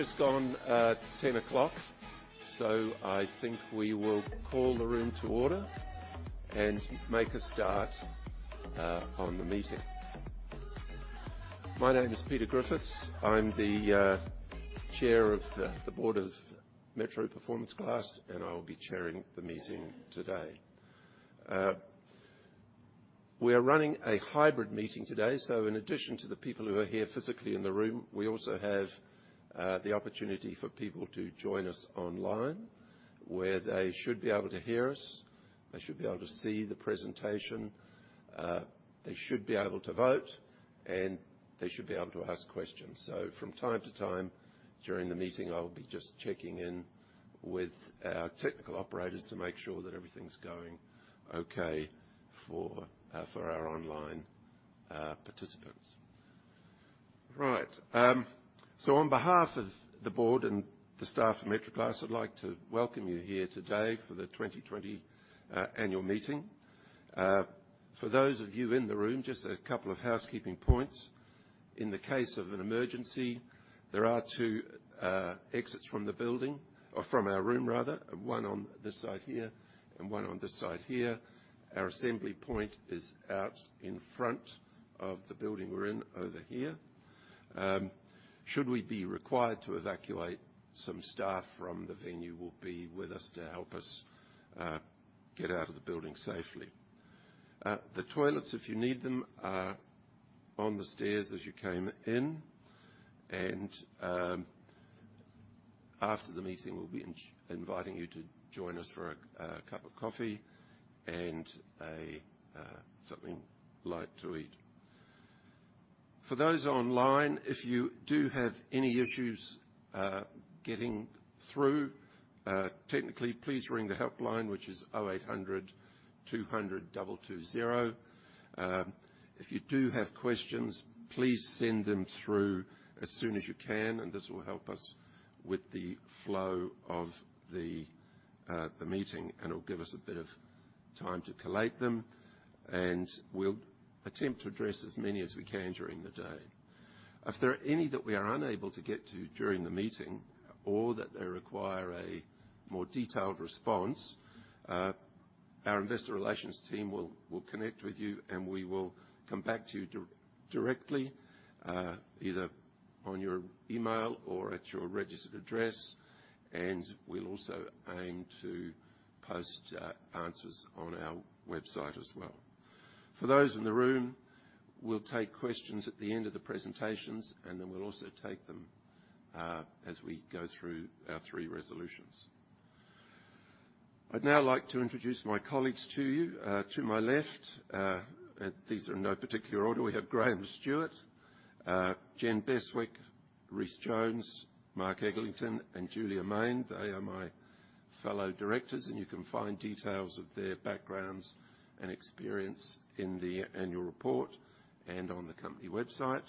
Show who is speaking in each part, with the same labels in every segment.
Speaker 1: It's just gone 10 o'clock. I think we will call the room to order and make a start on the meeting. My name is Peter Griffiths. I'm the chair of the board of Metro Performance Glass, and I'll be chairing the meeting today. We are running a hybrid meeting today, so in addition to the people who are here physically in the room, we also have the opportunity for people to join us online where they should be able to hear us, they should be able to see the presentation, they should be able to vote, and they should be able to ask questions. From time to time during the meeting, I'll be just checking in with our technical operators to make sure that everything's going okay for our online participants. Right. On behalf of the board and the staff at Metro Glass, I'd like to welcome you here today for the 2020 annual meeting. For those of you in the room, just a couple of housekeeping points. In the case of an emergency, there are two exits from the building, or from our room rather, one on this side here and one on this side here. Our assembly point is out in front of the building we're in over here. Should we be required to evacuate, some staff from the venue will be with us to help us get out of the building safely. The toilets, if you need them, are on the stairs as you came in and, after the meeting, we'll be inviting you to join us for a cup of coffee and a something light to eat. For those online, if you do have any issues getting through technically, please ring the helpline, which is 0800 200 220. If you do have questions, please send them through as soon as you can, and this will help us with the flow of the meeting, and it'll give us a bit of time to collate them. We'll attempt to address as many as we can during the day. If there are any that we are unable to get to during the meeting or that they require a more detailed response, our investor relations team will connect with you, and we will come back to you directly, either on your email or at your registered address. We'll also aim to post answers on our website as well. For those in the room, we'll take questions at the end of the presentations, and then we'll also take them, as we go through our three resolutions. I'd now like to introduce my colleagues to you. To my left, these are in no particular order. We have Graeme Stuart, Jen Bestwick, Rhys Jones, Mark Eggleton, and Julia Mayne. They are my fellow directors, and you can find details of their backgrounds and experience in the annual report and on the company website.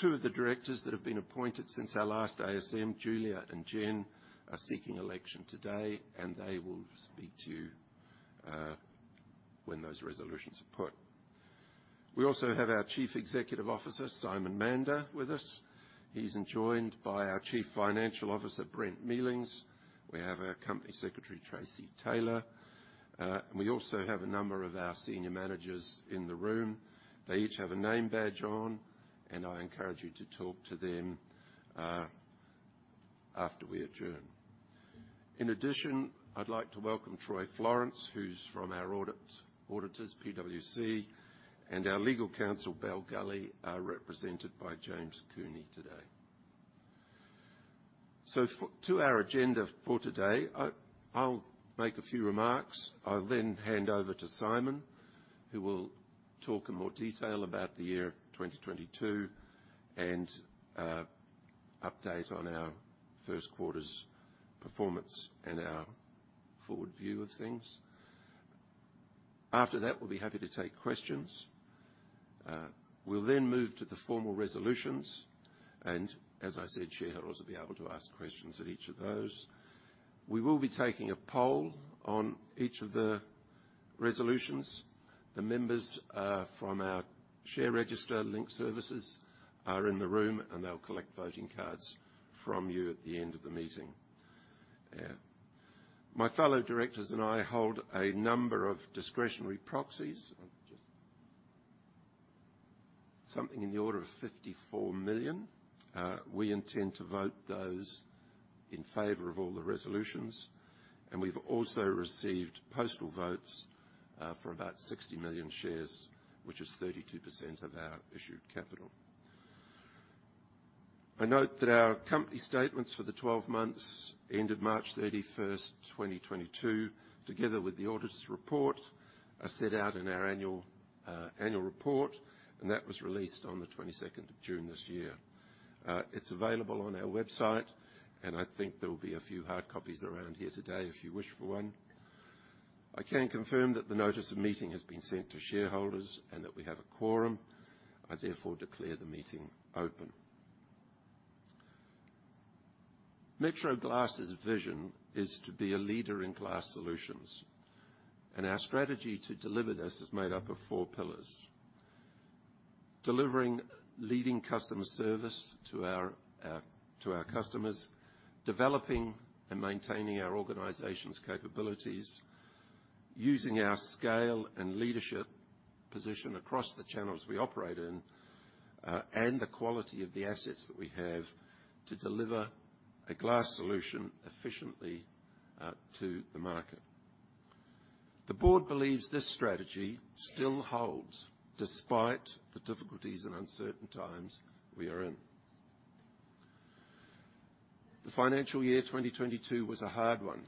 Speaker 1: Two of the directors that have been appointed since our last AGM, Julia and Jen, are seeking election today, and they will speak to you, when those resolutions are put. We also have our Chief Executive Officer, Simon Mander, with us. He's joined by our Chief Financial Officer, Brent Mealings. We have our Company Secretary, Tracey Taylor. We also have a number of our senior managers in the room. They each have a name badge on, and I encourage you to talk to them after we adjourn. In addition, I'd like to welcome Troy Florence, who's from our auditors, PwC, and our legal counsel, Bell Gully, are represented by James Cooney today. To our agenda for today. I'll make a few remarks. I'll then hand over to Simon, who will talk in more detail about the year 2022 and update on our first quarter's performance and our forward view of things. After that, we'll be happy to take questions. We'll then move to the formal resolutions, and as I said, shareholders will be able to ask questions at each of those. We will be taking a poll on each of the resolutions. The members from our share register Link Market Services are in the room, and they'll collect voting cards from you at the end of the meeting. My fellow directors and I hold a number of discretionary proxies. Something in the order of 54 million. We intend to vote those in favor of all the resolutions, and we've also received postal votes for about 60 million shares, which is 32% of our issued capital. I note that our company statements for the 12 months ended March 31, 2022, together with the auditor's report, are set out in our annual report, and that was released on the 22nd of June this year. It's available on our website, and I think there will be a few hard copies around here today if you wish for one. I can confirm that the notice of meeting has been sent to shareholders and that we have a quorum. I therefore declare the meeting open. Metro Glass' vision is to be a leader in glass solutions, and our strategy to deliver this is made up of four pillars. Delivering leading customer service to our customers, developing and maintaining our organization's capabilities, using our scale and leadership position across the channels we operate in, and the quality of the assets that we have to deliver a glass solution efficiently to the market. The board believes this strategy still holds despite the difficulties in uncertain times we are in. The financial year 2022 was a hard one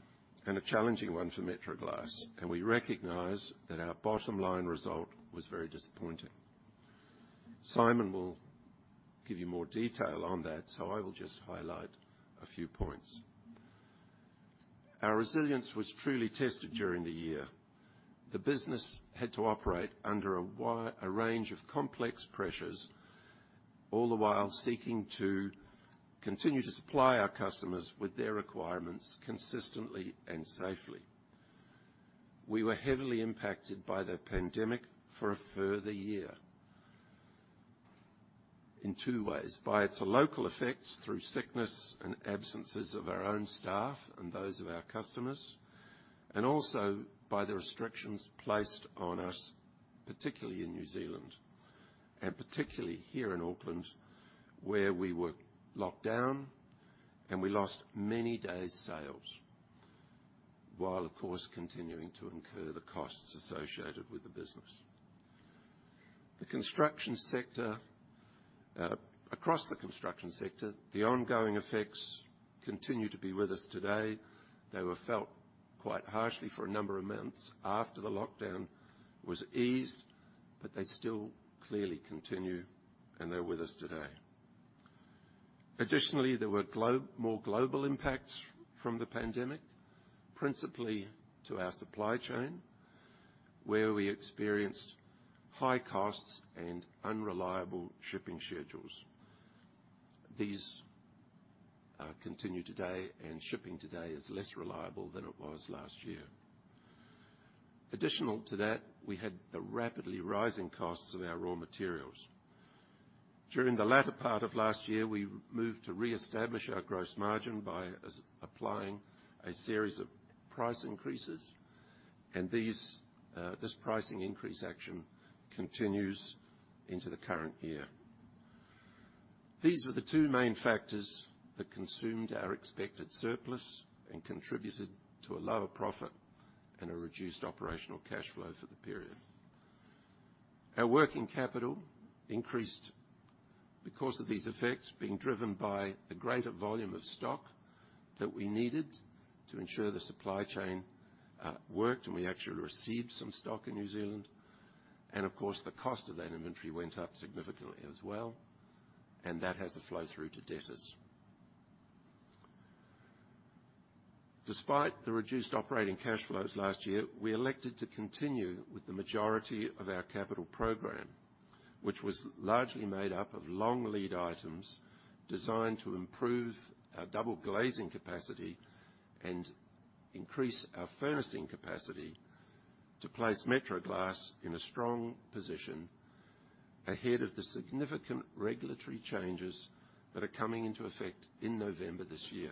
Speaker 1: and a challenging one for Metro Glass, and we recognize that our bottom-line result was very disappointing. Simon will give you more detail on that, so I will just highlight a few points. Our resilience was truly tested during the year. The business had to operate under a range of complex pressures, all the while seeking to continue to supply our customers with their requirements consistently and safely. We were heavily impacted by the pandemic for a further year in two ways. By its local effects through sickness and absences of our own staff and those of our customers, and also by the restrictions placed on us, particularly in New Zealand, and particularly here in Auckland, where we were locked down and we lost many days' sales, while of course, continuing to incur the costs associated with the business. The construction sector across the construction sector, the ongoing effects continue to be with us today. They were felt quite harshly for a number of months after the lockdown was eased, but they still clearly continue, and they're with us today. Additionally, there were more global impacts from the pandemic, principally to our supply chain, where we experienced high costs and unreliable shipping schedules. These continue today, and shipping today is less reliable than it was last year. Additional to that, we had the rapidly rising costs of our raw materials. During the latter part of last year, we moved to reestablish our gross margin by applying a series of price increases, and these, this pricing increase action continues into the current year. These were the two main factors that consumed our expected surplus and contributed to a lower profit and a reduced operational cash flow for the period. Our working capital increased because of these effects being driven by the greater volume of stock that we needed to ensure the supply chain worked, and we actually received some stock in New Zealand. Of course, the cost of that inventory went up significantly as well, and that has a flow through to debtors. Despite the reduced operating cash flows last year, we elected to continue with the majority of our capital program, which was largely made up of long lead items designed to improve our double glazing capacity and increase our furnacing capacity to place Metro Glass in a strong position ahead of the significant regulatory changes that are coming into effect in November this year.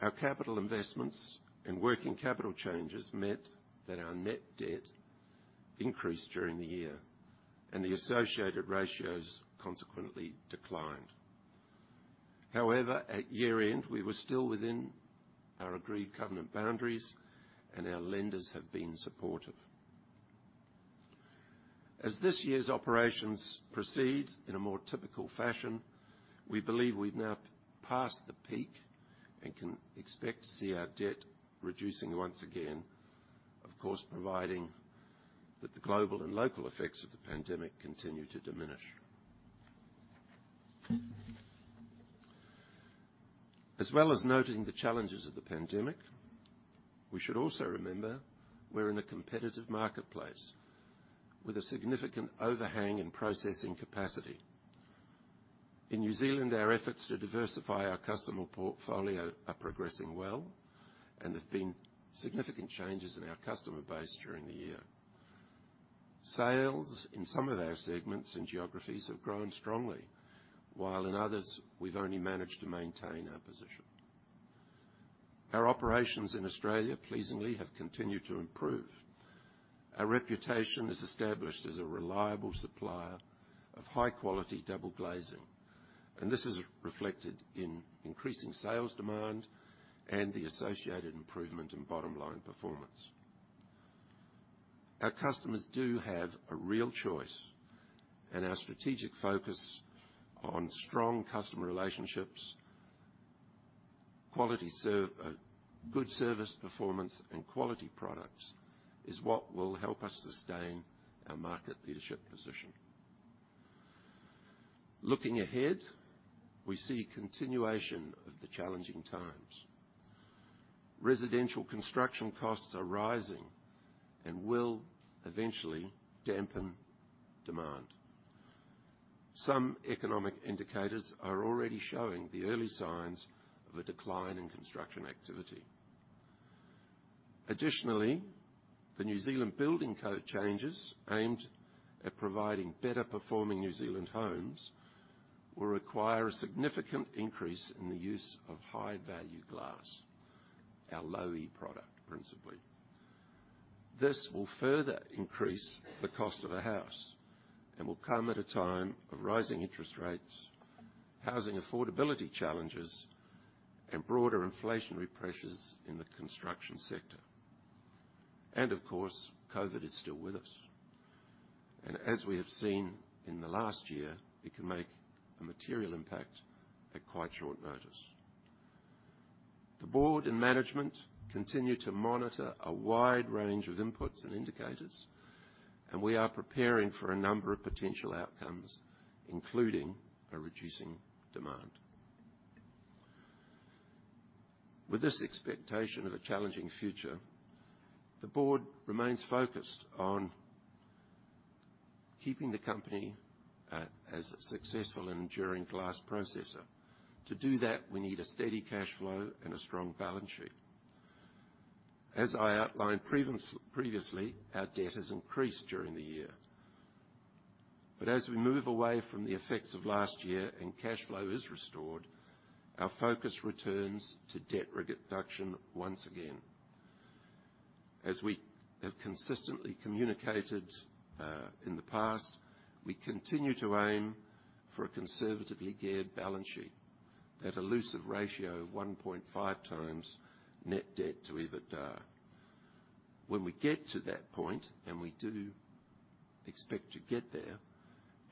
Speaker 1: Our capital investments and working capital changes meant that our net debt increased during the year, and the associated ratios consequently declined. However, at year-end, we were still within our agreed covenant boundaries, and our lenders have been supportive. As this year's operations proceed in a more typical fashion, we believe we've now passed the peak and can expect to see our debt reducing once again, of course, providing that the global and local effects of the pandemic continue to diminish. As well as noting the challenges of the pandemic, we should also remember we're in a competitive marketplace with a significant overhang in processing capacity. In New Zealand, our efforts to diversify our customer portfolio are progressing well and have been significant changes in our customer base during the year. Sales in some of our segments and geographies have grown strongly, while in others, we've only managed to maintain our position. Our operations in Australia pleasingly have continued to improve. Our reputation is established as a reliable supplier of high-quality double glazing, and this is reflected in increasing sales demand and the associated improvement in bottom-line performance. Our customers do have a real choice, and our strategic focus on strong customer relationships, quality, good service performance, and quality products is what will help us sustain our market leadership position. Looking ahead, we see continuation of the challenging times. Residential construction costs are rising and will eventually dampen demand. Some economic indicators are already showing the early signs of a decline in construction activity. Additionally, the New Zealand Building Code changes aimed at providing better performing New Zealand homes will require a significant increase in the use of high-value glass, our Low E product principally. This will further increase the cost of a house and will come at a time of rising interest rates, housing affordability challenges, and broader inflationary pressures in the construction sector. Of course, COVID is still with us. As we have seen in the last year, it can make a material impact at quite short notice. The board and management continue to monitor a wide range of inputs and indicators, and we are preparing for a number of potential outcomes, including a reducing demand. With this expectation of a challenging future, the board remains focused on keeping the company as a successful enduring glass processor. To do that, we need a steady cash flow and a strong balance sheet. As I outlined previously, our debt has increased during the year. As we move away from the effects of last year and cash flow is restored, our focus returns to debt reduction once again. As we have consistently communicated in the past, we continue to aim for a conservatively geared balance sheet at leverage ratio 1.5 times net debt to EBITDA. When we get to that point, and we do expect to get there,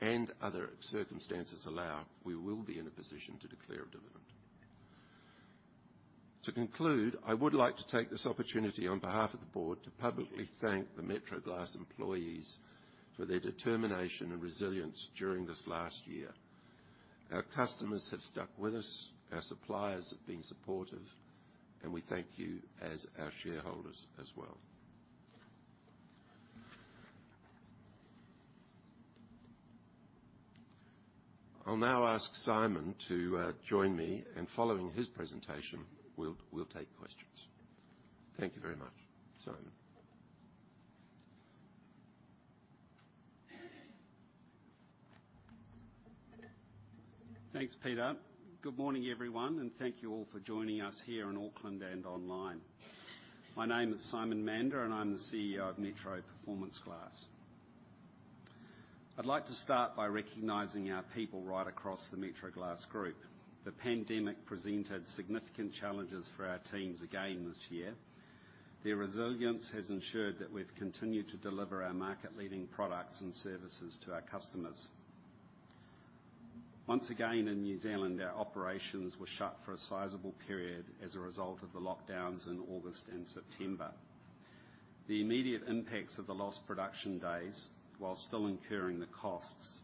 Speaker 1: and other circumstances allow, we will be in a position to declare a dividend. To conclude, I would like to take this opportunity on behalf of the board to publicly thank the Metro Glass employees for their determination and resilience during this last year. Our customers have stuck with us, our suppliers have been supportive, and we thank you as our shareholders as well. I'll now ask Simon to join me, and following his presentation, we'll take questions. Thank you very much, Simon.
Speaker 2: Thanks, Peter. Good morning, everyone, and thank you all for joining us here in Auckland and online. My name is Simon Mander, and I'm the CEO of Metro Performance Glass. I'd like to start by recognizing our people right across the Metro Glass Group. The pandemic presented significant challenges for our teams again this year. Their resilience has ensured that we've continued to deliver our market-leading products and services to our customers. Once again, in New Zealand, our operations were shut for a sizable period as a result of the lockdowns in August and September. The immediate impacts of the lost production days, while still incurring the costs,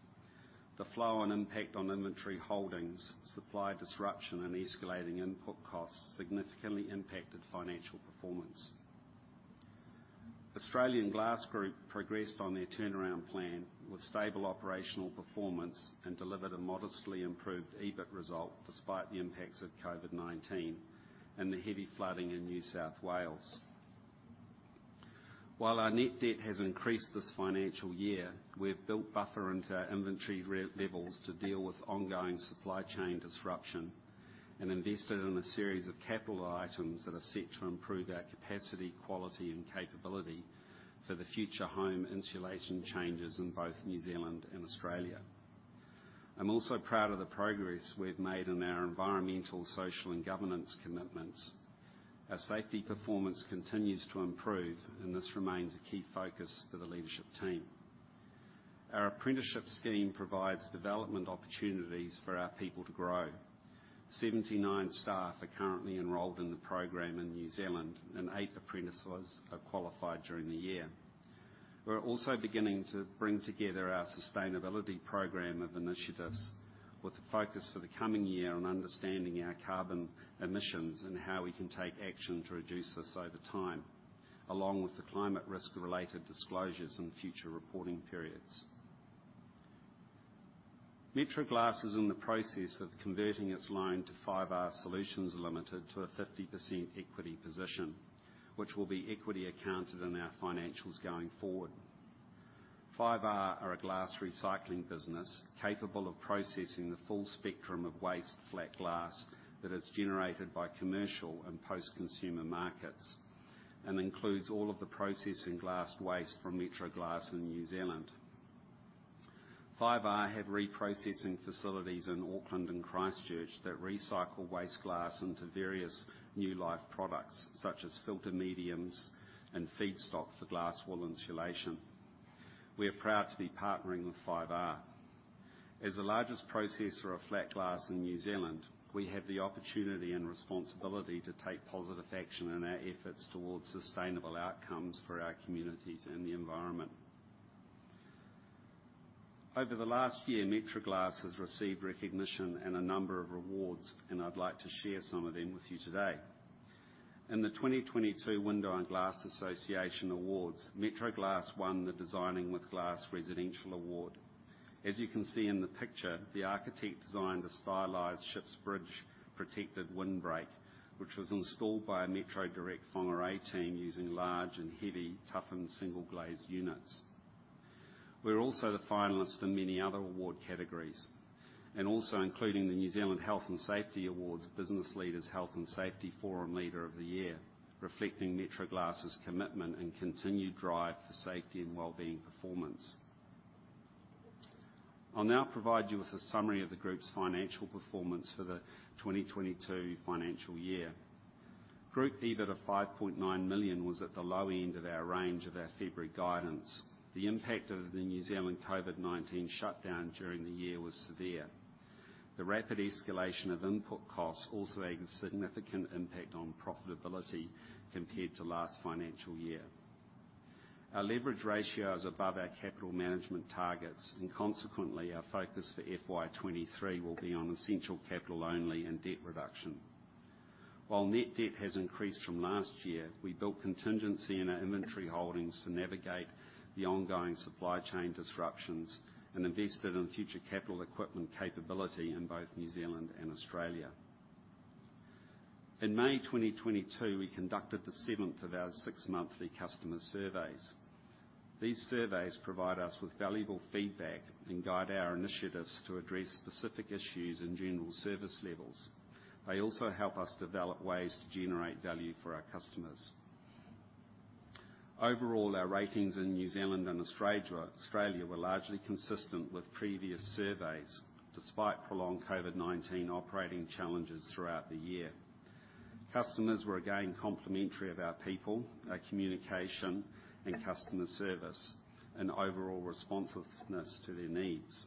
Speaker 2: the flow and impact on inventory holdings, supply disruption, and escalating input costs significantly impacted financial performance. Australian Glass Group progressed on their turnaround plan with stable operational performance and delivered a modestly improved EBIT result despite the impacts of COVID-19 and the heavy flooding in New South Wales. While our net debt has increased this financial year, we've built buffer into our inventory levels to deal with ongoing supply chain disruption and invested in a series of capital items that are set to improve our capacity, quality, and capability for the future home insulation changes in both New Zealand and Australia. I'm also proud of the progress we've made in our environmental, social, and governance commitments. Our safety performance continues to improve, and this remains a key focus for the leadership team. Our apprenticeship scheme provides development opportunities for our people to grow. 79 staff are currently enrolled in the program in New Zealand, and eight apprentices qualified during the year. We're also beginning to bring together our sustainability program of initiatives with a focus for the coming year on understanding our carbon emissions and how we can take action to reduce this over time, along with the climate risk-related disclosures in future reporting periods. Metro Glass is in the process of converting its loan to 5R Solutions Limited to a 50% equity position, which will be equity accounted in our financials going forward. 5R are a glass recycling business capable of processing the full spectrum of waste flat glass that is generated by commercial and post-consumer markets and includes all of the processing glass waste from Metro Glass in New Zealand. 5R have reprocessing facilities in Auckland and Christchurch that recycle waste glass into various new life products, such as filter mediums and feedstock for glass wool insulation. We are proud to be partnering with 5R. As the largest processor of flat glass in New Zealand, we have the opportunity and responsibility to take positive action in our efforts towards sustainable outcomes for our communities and the environment. Over the last year, Metro Glass has received recognition and a number of rewards, and I'd like to share some of them with you today. In the 2022 Window & Glass Association NZ Awards, Metro Glass won the Designing with Glass Residential Award. As you can see in the picture, the architect designed a stylized ship's bridge protected windbreak, which was installed by a Metro Direct Whangārei team using large and heavy toughened single-glazed units. We were also the finalist in many other award categories, and also including the New Zealand Workplace Health and Safety Awards Business Leaders' Health and Safety Forum Leader of the Year, reflecting Metro Glass's commitment and continued drive for safety and well-being performance. I'll now provide you with a summary of the group's financial performance for the 2022 financial year. Group EBIT of 5.9 million was at the low end of our range of our February guidance. The impact of the New Zealand COVID-19 shutdown during the year was severe. The rapid escalation of input costs also had a significant impact on profitability compared to last financial year. Our leverage ratio is above our capital management targets, and consequently, our focus for FY23 will be on essential capital only and debt reduction. While net debt has increased from last year, we built contingency in our inventory holdings to navigate the ongoing supply chain disruptions and invested in future capital equipment capability in both New Zealand and Australia. In May 2022, we conducted the seventh of our six monthly customer surveys. These surveys provide us with valuable feedback and guide our initiatives to address specific issues and general service levels. They also help us develop ways to generate value for our customers. Overall, our ratings in New Zealand and Australia were largely consistent with previous surveys, despite prolonged COVID-19 operating challenges throughout the year. Customers were again complimentary of our people, our communication, and customer service, and overall responsiveness to their needs.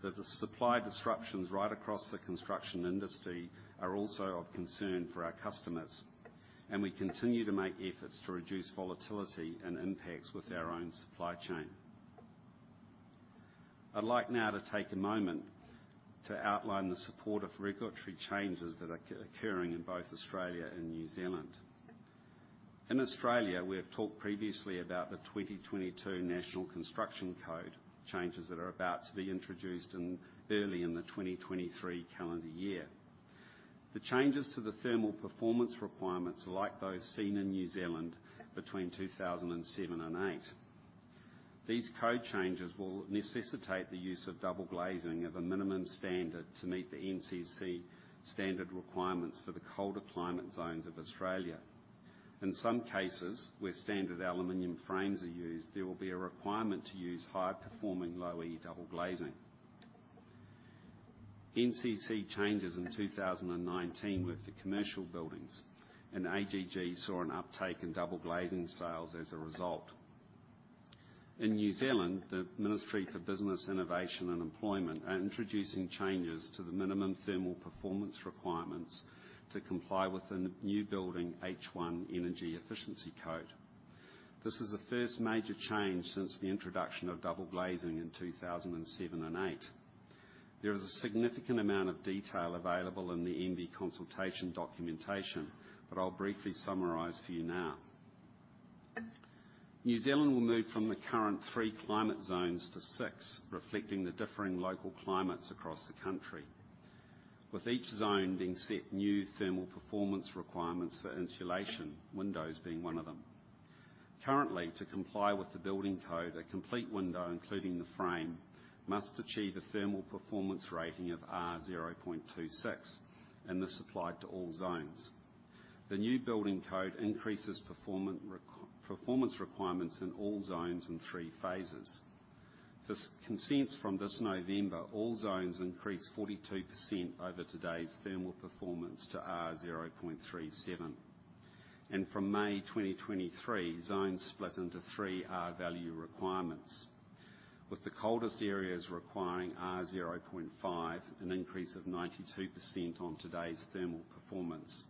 Speaker 2: The supply disruptions right across the construction industry are also of concern for our customers, and we continue to make efforts to reduce volatility and impacts with our own supply chain. I'd like now to take a moment to outline the support of regulatory changes that are occurring in both Australia and New Zealand. In Australia, we have talked previously about the 2022 National Construction Code changes that are about to be introduced in early 2023. The changes to the thermal performance requirements are like those seen in New Zealand between 2007 and 2008. These code changes will necessitate the use of double glazing of a minimum standard to meet the NCC standard requirements for the colder climate zones of Australia. In some cases, where standard aluminum frames are used, there will be a requirement to use high-performing Low E double glazing. NCC changes in 2019 with the commercial buildings and AGG saw an uptake in double glazing sales as a result. In New Zealand, the Ministry of Business, Innovation and Employment are introducing changes to the minimum thermal performance requirements to comply with the new Building Code clause H1 Energy Efficiency. This is the first major change since the introduction of double glazing in 2007 and 2008. There is a significant amount of detail available in the MBIE consultation documentation, but I'll briefly summarize for you now. New Zealand will move from the current three climate zones to six, reflecting the differing local climates across the country, with each zone being set new thermal performance requirements for insulation, windows being one of them. Currently, to comply with the building code, a complete window, including the frame, must achieve a thermal performance rating of R0.26, and this applied to all zones. The new building code increases performance requirements in all zones in three phases. For consents from this November, all zones increase 42% over today's thermal performance to R0.37. From May 2023, zones split into three R-value requirements, with the coldest areas requiring R0.5, an increase of 92% on today's thermal performance.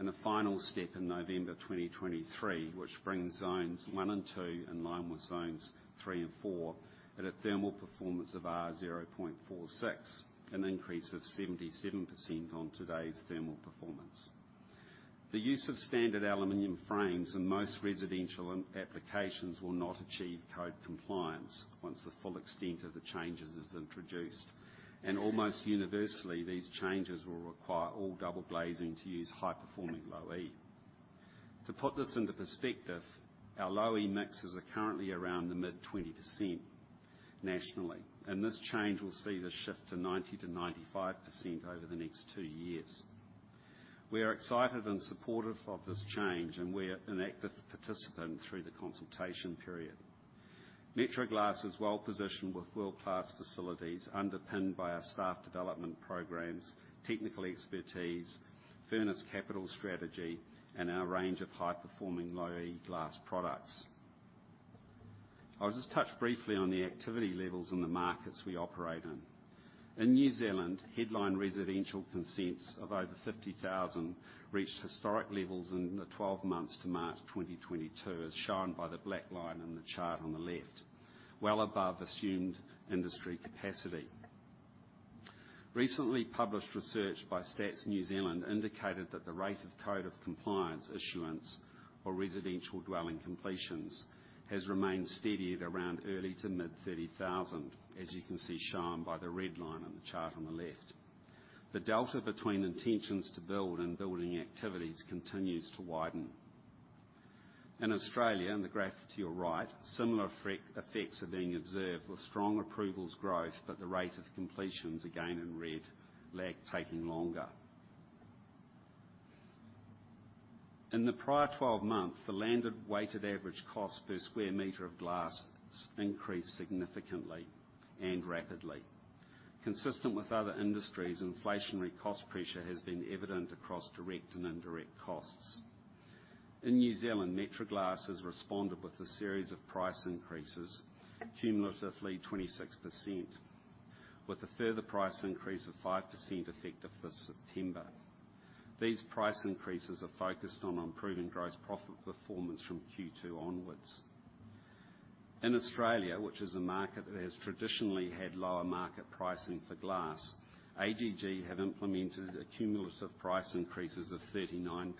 Speaker 2: In a final step in November 2023, which brings zones one and two in line with zones three and four, at a thermal performance of R0.46, an increase of 77% on today's thermal performance. The use of standard aluminum frames in most residential applications will not achieve code compliance once the full extent of the changes is introduced. Almost universally, these changes will require all double glazing to use high-performing Low-E. To put this into perspective, our Low-E mixes are currently around the mid-20% nationally, and this change will see this shift to 90%-95% over the next two years. We are excited and supportive of this change, and we're an active participant through the consultation period. Metro Glass is well-positioned with world-class facilities underpinned by our staff development programs, technical expertise, furnace capital strategy, and our range of high-performing Low E glass products. I'll just touch briefly on the activity levels in the markets we operate in. In New Zealand, headline residential consents of over 50,000 reached historic levels in the 12 months to March 2022, as shown by the black line in the chart on the left, well above assumed industry capacity. Recently published research by Stats New Zealand indicated that the rate of code of compliance issuance for residential dwelling completions has remained steady at around early to mid-30,000, as you can see shown by the red line in the chart on the left. The delta between intentions to build and building activities continues to widen. In Australia, in the graph to your right, similar effects are being observed, with strong approvals growth, but the rate of completions, again in red, lag taking longer. In the prior 12 months, the landed weighted average cost per square meter of glass increased significantly and rapidly. Consistent with other industries, inflationary cost pressure has been evident across direct and indirect costs. In New Zealand, Metro Glass has responded with a series of price increases, cumulatively 26%, with a further price increase of 5% effective for September. These price increases are focused on improving gross profit performance from Q2 onwards. In Australia, which is a market that has traditionally had lower market pricing for glass, AGG have implemented a cumulative price increases of 39%,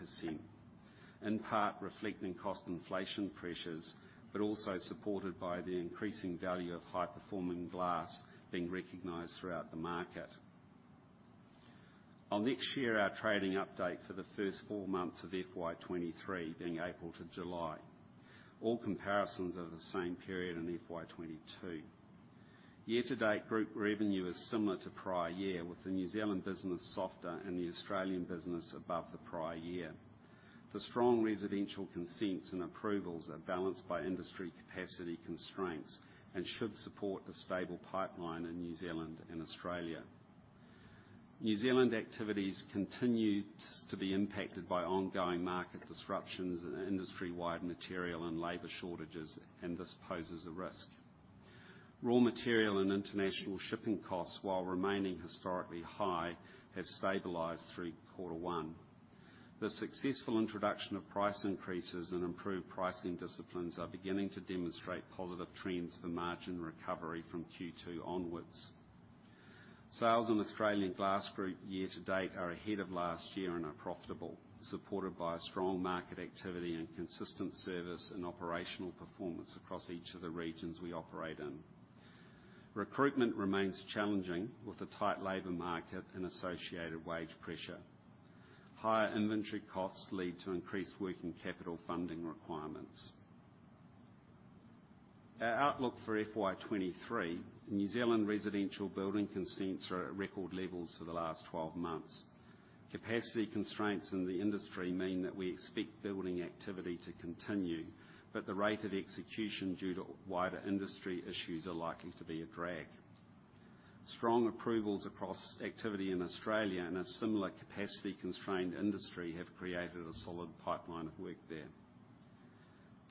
Speaker 2: in part reflecting cost inflation pressures, but also supported by the increasing value of high-performing glass being recognized throughout the market. I'll next share our trading update for the first 4 months of FY23, being April to July. All comparisons are the same period in FY22. Year to date, group revenue is similar to prior year, with the New Zealand business softer and the Australian business above the prior year. The strong residential consents and approvals are balanced by industry capacity constraints and should support a stable pipeline in New Zealand and Australia. New Zealand activities continue to be impacted by ongoing market disruptions and industry-wide material and labor shortages, and this poses a risk. Raw material and international shipping costs, while remaining historically high, have stabilized through quarter one. The successful introduction of price increases and improved pricing disciplines are beginning to demonstrate positive trends for margin recovery from Q2 onwards. Sales in Australian Glass Group year to date are ahead of last year and are profitable, supported by a strong market activity and consistent service and operational performance across each of the regions we operate in. Recruitment remains challenging with a tight labor market and associated wage pressure. Higher inventory costs lead to increased working capital funding requirements. Our outlook for FY23, New Zealand residential building consents are at record levels for the last 12 months. Capacity constraints in the industry mean that we expect building activity to continue, but the rate of execution due to wider industry issues are likely to be a drag. Strong approvals across activity in Australia in a similar capacity-constrained industry have created a solid pipeline of work there.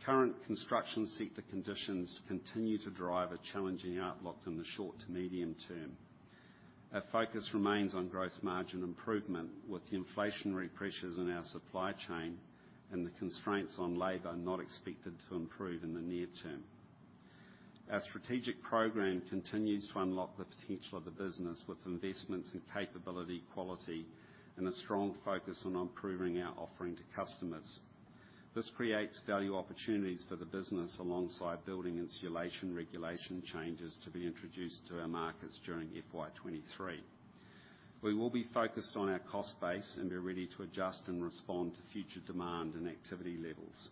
Speaker 2: Current construction sector conditions continue to drive a challenging outlook in the short to medium term. Our focus remains on gross margin improvement with the inflationary pressures in our supply chain and the constraints on labor not expected to improve in the near term. Our strategic program continues to unlock the potential of the business with investments in capability, quality, and a strong focus on improving our offering to customers. This creates value opportunities for the business alongside building insulation regulation changes to be introduced to our markets during FY23. We will be focused on our cost base and be ready to adjust and respond to future demand and activity levels.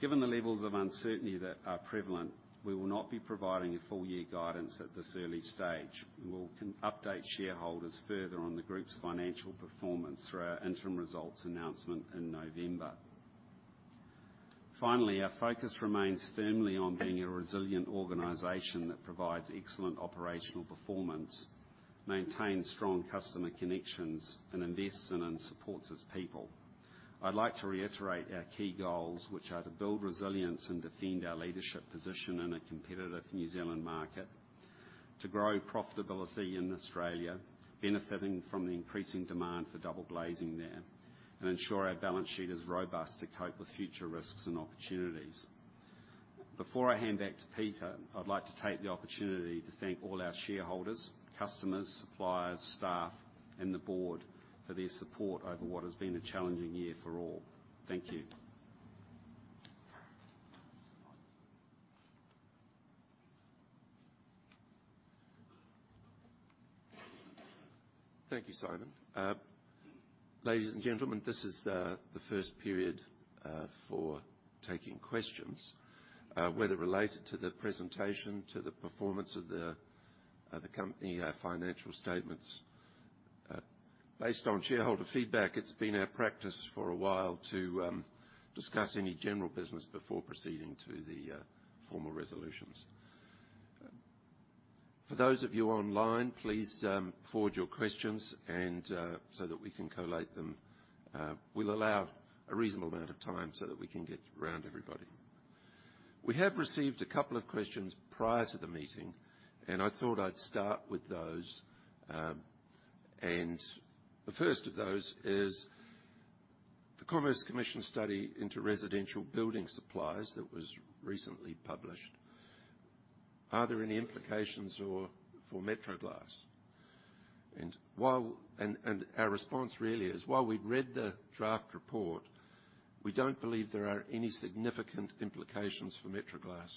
Speaker 2: Given the levels of uncertainty that are prevalent, we will not be providing a full year guidance at this early stage. We will update shareholders further on the group's financial performance through our interim results announcement in November. Finally, our focus remains firmly on being a resilient organization that provides excellent operational performance, maintains strong customer connections, and invests in and supports its people. I'd like to reiterate our key goals, which are to build resilience and defend our leadership position in a competitive New Zealand market, to grow profitability in Australia, benefiting from the increasing demand for double glazing there, and ensure our balance sheet is robust to cope with future risks and opportunities. Before I hand back to Peter, I'd like to take the opportunity to thank all our shareholders, customers, suppliers, staff, and the board for their support over what has been a challenging year for all. Thank you.
Speaker 1: Thank you, Simon. Ladies and gentlemen, this is the first period for taking questions, whether related to the presentation, to the performance of the company, financial statements. Based on shareholder feedback, it's been our practice for a while to discuss any general business before proceeding to the formal resolutions. For those of you online, please forward your questions so that we can collate them. We'll allow a reasonable amount of time so that we can get around everybody. We have received a couple of questions prior to the meeting, and I thought I'd start with those. The first of those is the Commerce Commission study into residential building supplies that was recently published. Are there any implications for Metro Glass? Our response really is, while we've read the draft report, we don't believe there are any significant implications for Metro Glass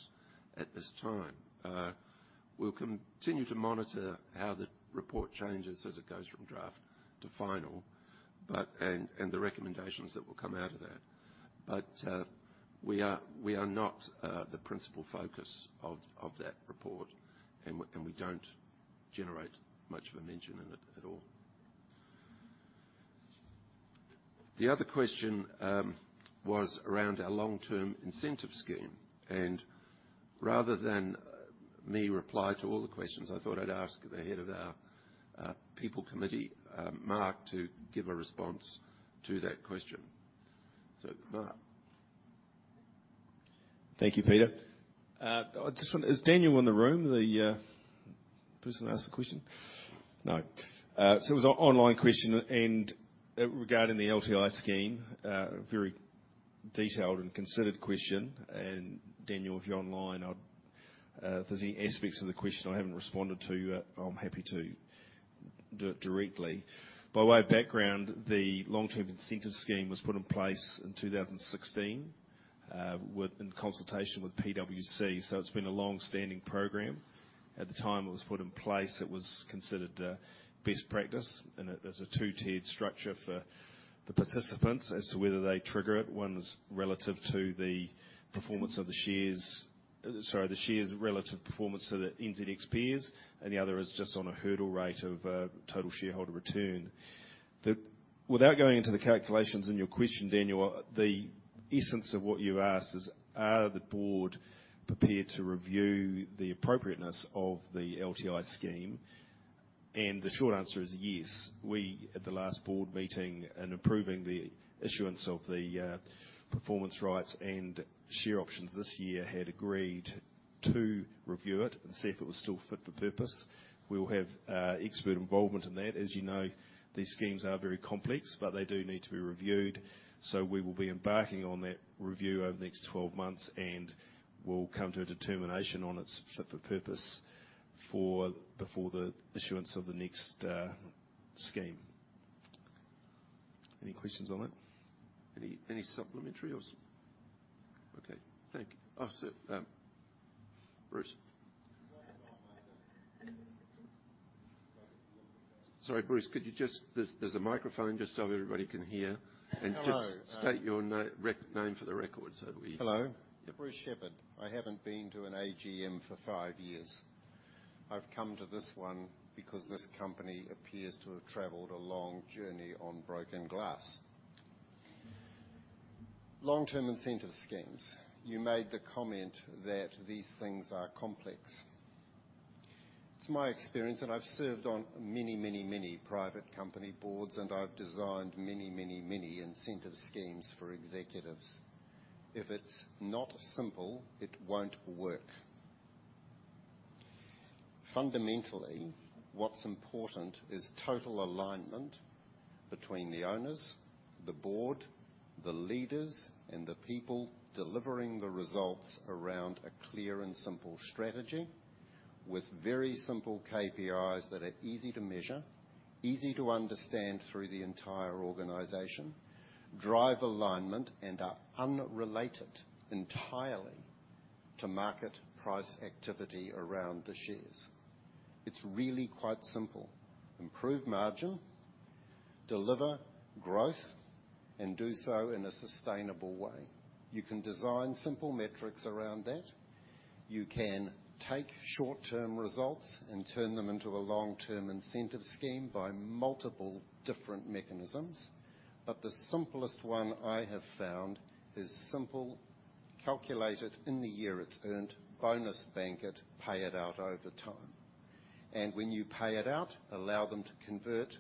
Speaker 1: at this time. We'll continue to monitor how the report changes as it goes from draft to final, but the recommendations that will come out of that. We are not the principal focus of that report, and we don't generate much of a mention in it at all. The other question was around a long-term incentive scheme. Rather than me reply to all the questions, I thought I'd ask the head of our people committee, Mark, to give a response to that question. Mark.
Speaker 3: Thank you, Peter. I just wonder, is Daniel in the room? The person who asked the question. No. It was an online question regarding the LTI scheme, very detailed and considered question. Daniel, if you're online, if there's any aspects of the question I haven't responded to, I'm happy to do it directly. By way of background, the long-term incentive scheme was put in place in 2016 in consultation with PwC. It's been a long-standing program. At the time it was put in place, it was considered best practice, and it is a two-tiered structure for the participants as to whether they trigger it. One is relative to the performance of the shares. Sorry, the shares relative performance to the NZX peers, and the other is just on a hurdle rate of total shareholder return. Without going into the calculations in your question, Daniel, the essence of what you asked is, are the board prepared to review the appropriateness of the LTI scheme? The short answer is yes. We, at the last board meeting, in approving the issuance of the performance rights and share options this year, had agreed to review it and see if it was still fit for purpose. We'll have expert involvement in that. As you know, these schemes are very complex, but they do need to be reviewed. We will be embarking on that review over the next twelve months, and we'll come to a determination on its fit for purpose before the issuance of the next scheme. Any questions on that?
Speaker 1: Okay. Thank you. Oh, Bruce. Sorry, Bruce. There's a microphone just so everybody can hear.
Speaker 4: Hello.
Speaker 1: Just state your name for the record.
Speaker 4: Hello. Bruce Shepherd. I haven't been to an AGM for five years. I've come to this one because this company appears to have traveled a long journey on broken glass. Long-term incentive schemes. You made the comment that these things are complex. It's my experience, and I've served on many, many, many private company boards, and I've designed many, many, many incentive schemes for executives. If it's not simple, it won't work. Fundamentally, what's important is total alignment between the owners, the board, the leaders, and the people delivering the results around a clear and simple strategy with very simple KPIs that are easy to measure, easy to understand through the entire organization, drive alignment, and are unrelated entirely to market price activity around the shares. It's really quite simple. Improve margin, deliver growth, and do so in a sustainable way. You can design simple metrics around that. You can take short-term results and turn them into a long-term incentive scheme by multiple different mechanisms. The simplest one I have found is simple, calculate it in the year it's earned, bonus bank it, pay it out over time. When you pay it out, allow them to convert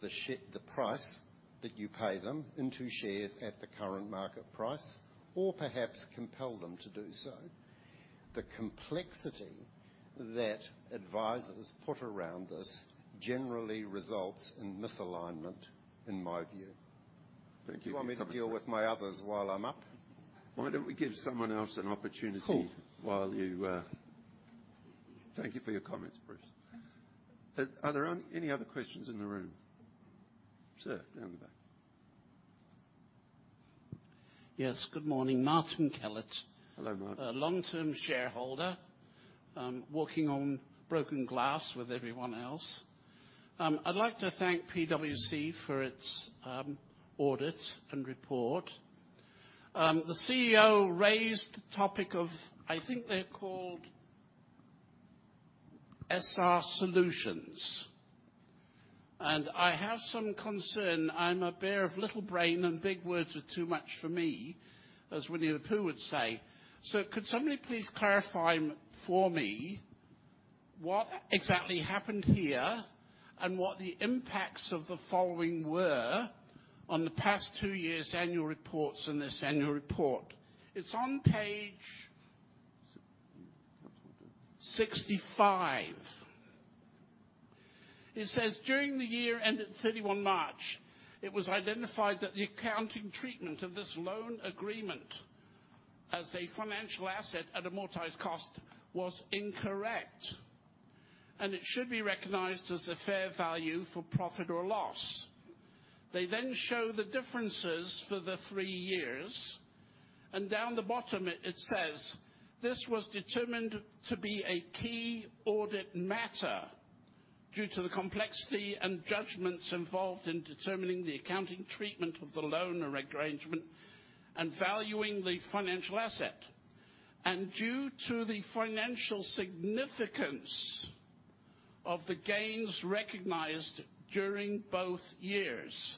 Speaker 4: the price that you pay them into shares at the current market price, or perhaps compel them to do so. The complexity that advisors put around this generally results in misalignment in my view.
Speaker 1: Thank you for your comments.
Speaker 4: Do you want me to deal with my others while I'm up?
Speaker 1: Why don't we give someone else an opportunity?
Speaker 4: Cool.
Speaker 1: Thank you for your comments, Bruce. Are there any other questions in the room? Sir, down the back.
Speaker 5: Yes. Good morning, Martin Kellett.
Speaker 1: Hello, Martin.
Speaker 5: A long-term shareholder, walking on broken glass with everyone else. I'd like to thank PwC for its audit and report. The CEO raised the topic of, I think they're called 5R Solutions, and I have some concern. I'm a bear of little brain, and big words are too much for me, as Winnie the Pooh would say. Could somebody please clarify for me what exactly happened here and what the impacts of the following were on the past two years' annual reports and this annual report? It's on page 65. It says, "During the year ended 31 March, it was identified that the accounting treatment of this loan agreement as a financial asset at amortized cost was incorrect, and it should be recognized as a fair value for profit or loss." They then show the differences for the three years, and down the bottom it says, "This was determined to be a key audit matter due to the complexity and judgments involved in determining the accounting treatment of the loan arrangement and valuing the financial asset and due to the financial significance of the gains recognized during both years."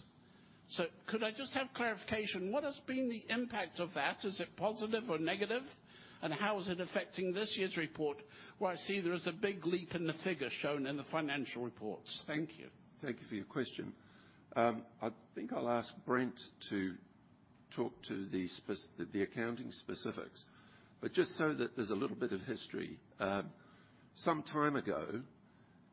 Speaker 5: Could I just have clarification? What has been the impact of that? Is it positive or negative? And how is it affecting this year's report, where I see there is a big leap in the figure shown in the financial reports. Thank you.
Speaker 1: Thank you for your question. I think I'll ask Brent to talk to the accounting specifics. Just so that there's a little bit of history. Some time ago,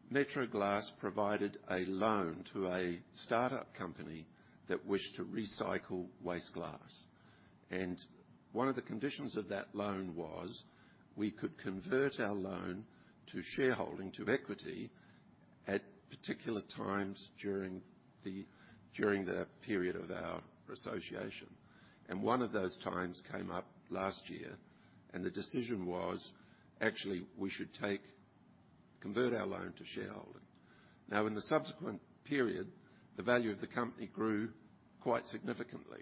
Speaker 1: Metro Glass provided a loan to a startup company that wished to recycle waste glass. One of the conditions of that loan was we could convert our loan to shareholding, to equity, at particular times during the period of our association. One of those times came up last year, and the decision was, actually, we should convert our loan to shareholding. Now, in the subsequent period, the value of the company grew quite significantly,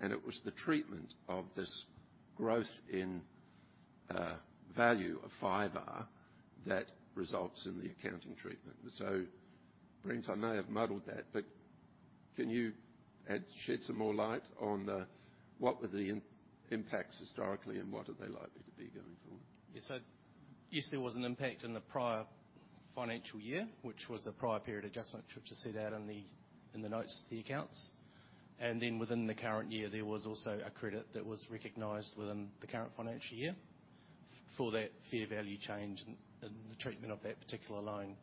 Speaker 1: and it was the treatment of this growth in value of 5R that results in the accounting treatment. Brent, I may have muddled that, but can you shed some more light on the, what were the impacts historically and what are they likely to be going forward?
Speaker 6: Yes. Yes, there was an impact in the prior financial year, which was a prior period adjustment, which is set out in the notes to the accounts. Then within the current year, there was also a credit that was recognized within the current financial year for that fair value change and the treatment of that particular loan.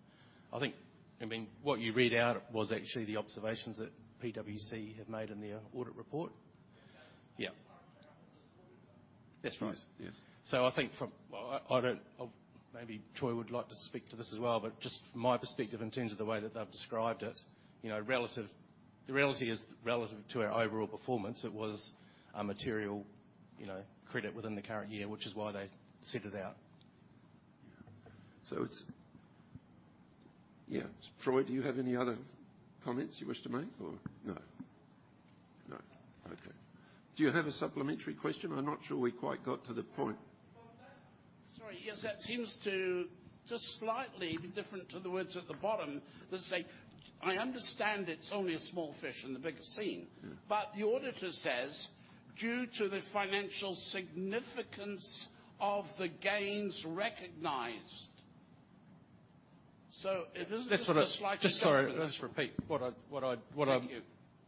Speaker 6: I think, I mean, what you read out was actually the observations that PwC have made in their audit report.
Speaker 5: Yes.
Speaker 6: Yeah. That's right.
Speaker 1: Yes.
Speaker 6: I think maybe Troy would like to speak to this as well, but just from my perspective, in terms of the way that they've described it, you know, relative, the reality is relative to our overall performance, it was a material, you know, credit within the current year, which is why they set it out.
Speaker 1: It's. Yeah. Troy, do you have any other comments you wish to make or no? No. Okay. Do you have a supplementary question? I'm not sure we quite got to the point.
Speaker 5: Well, sorry, yes, that seems to just slightly be different to the words at the bottom that say I understand it's only a small fish in the bigger scene.
Speaker 1: Mm-hmm.
Speaker 5: The auditor says, "Due to the financial significance of the gains recognized." It is just a slight difference.
Speaker 6: Just sorry, let me just repeat what I'm.
Speaker 5: Thank you.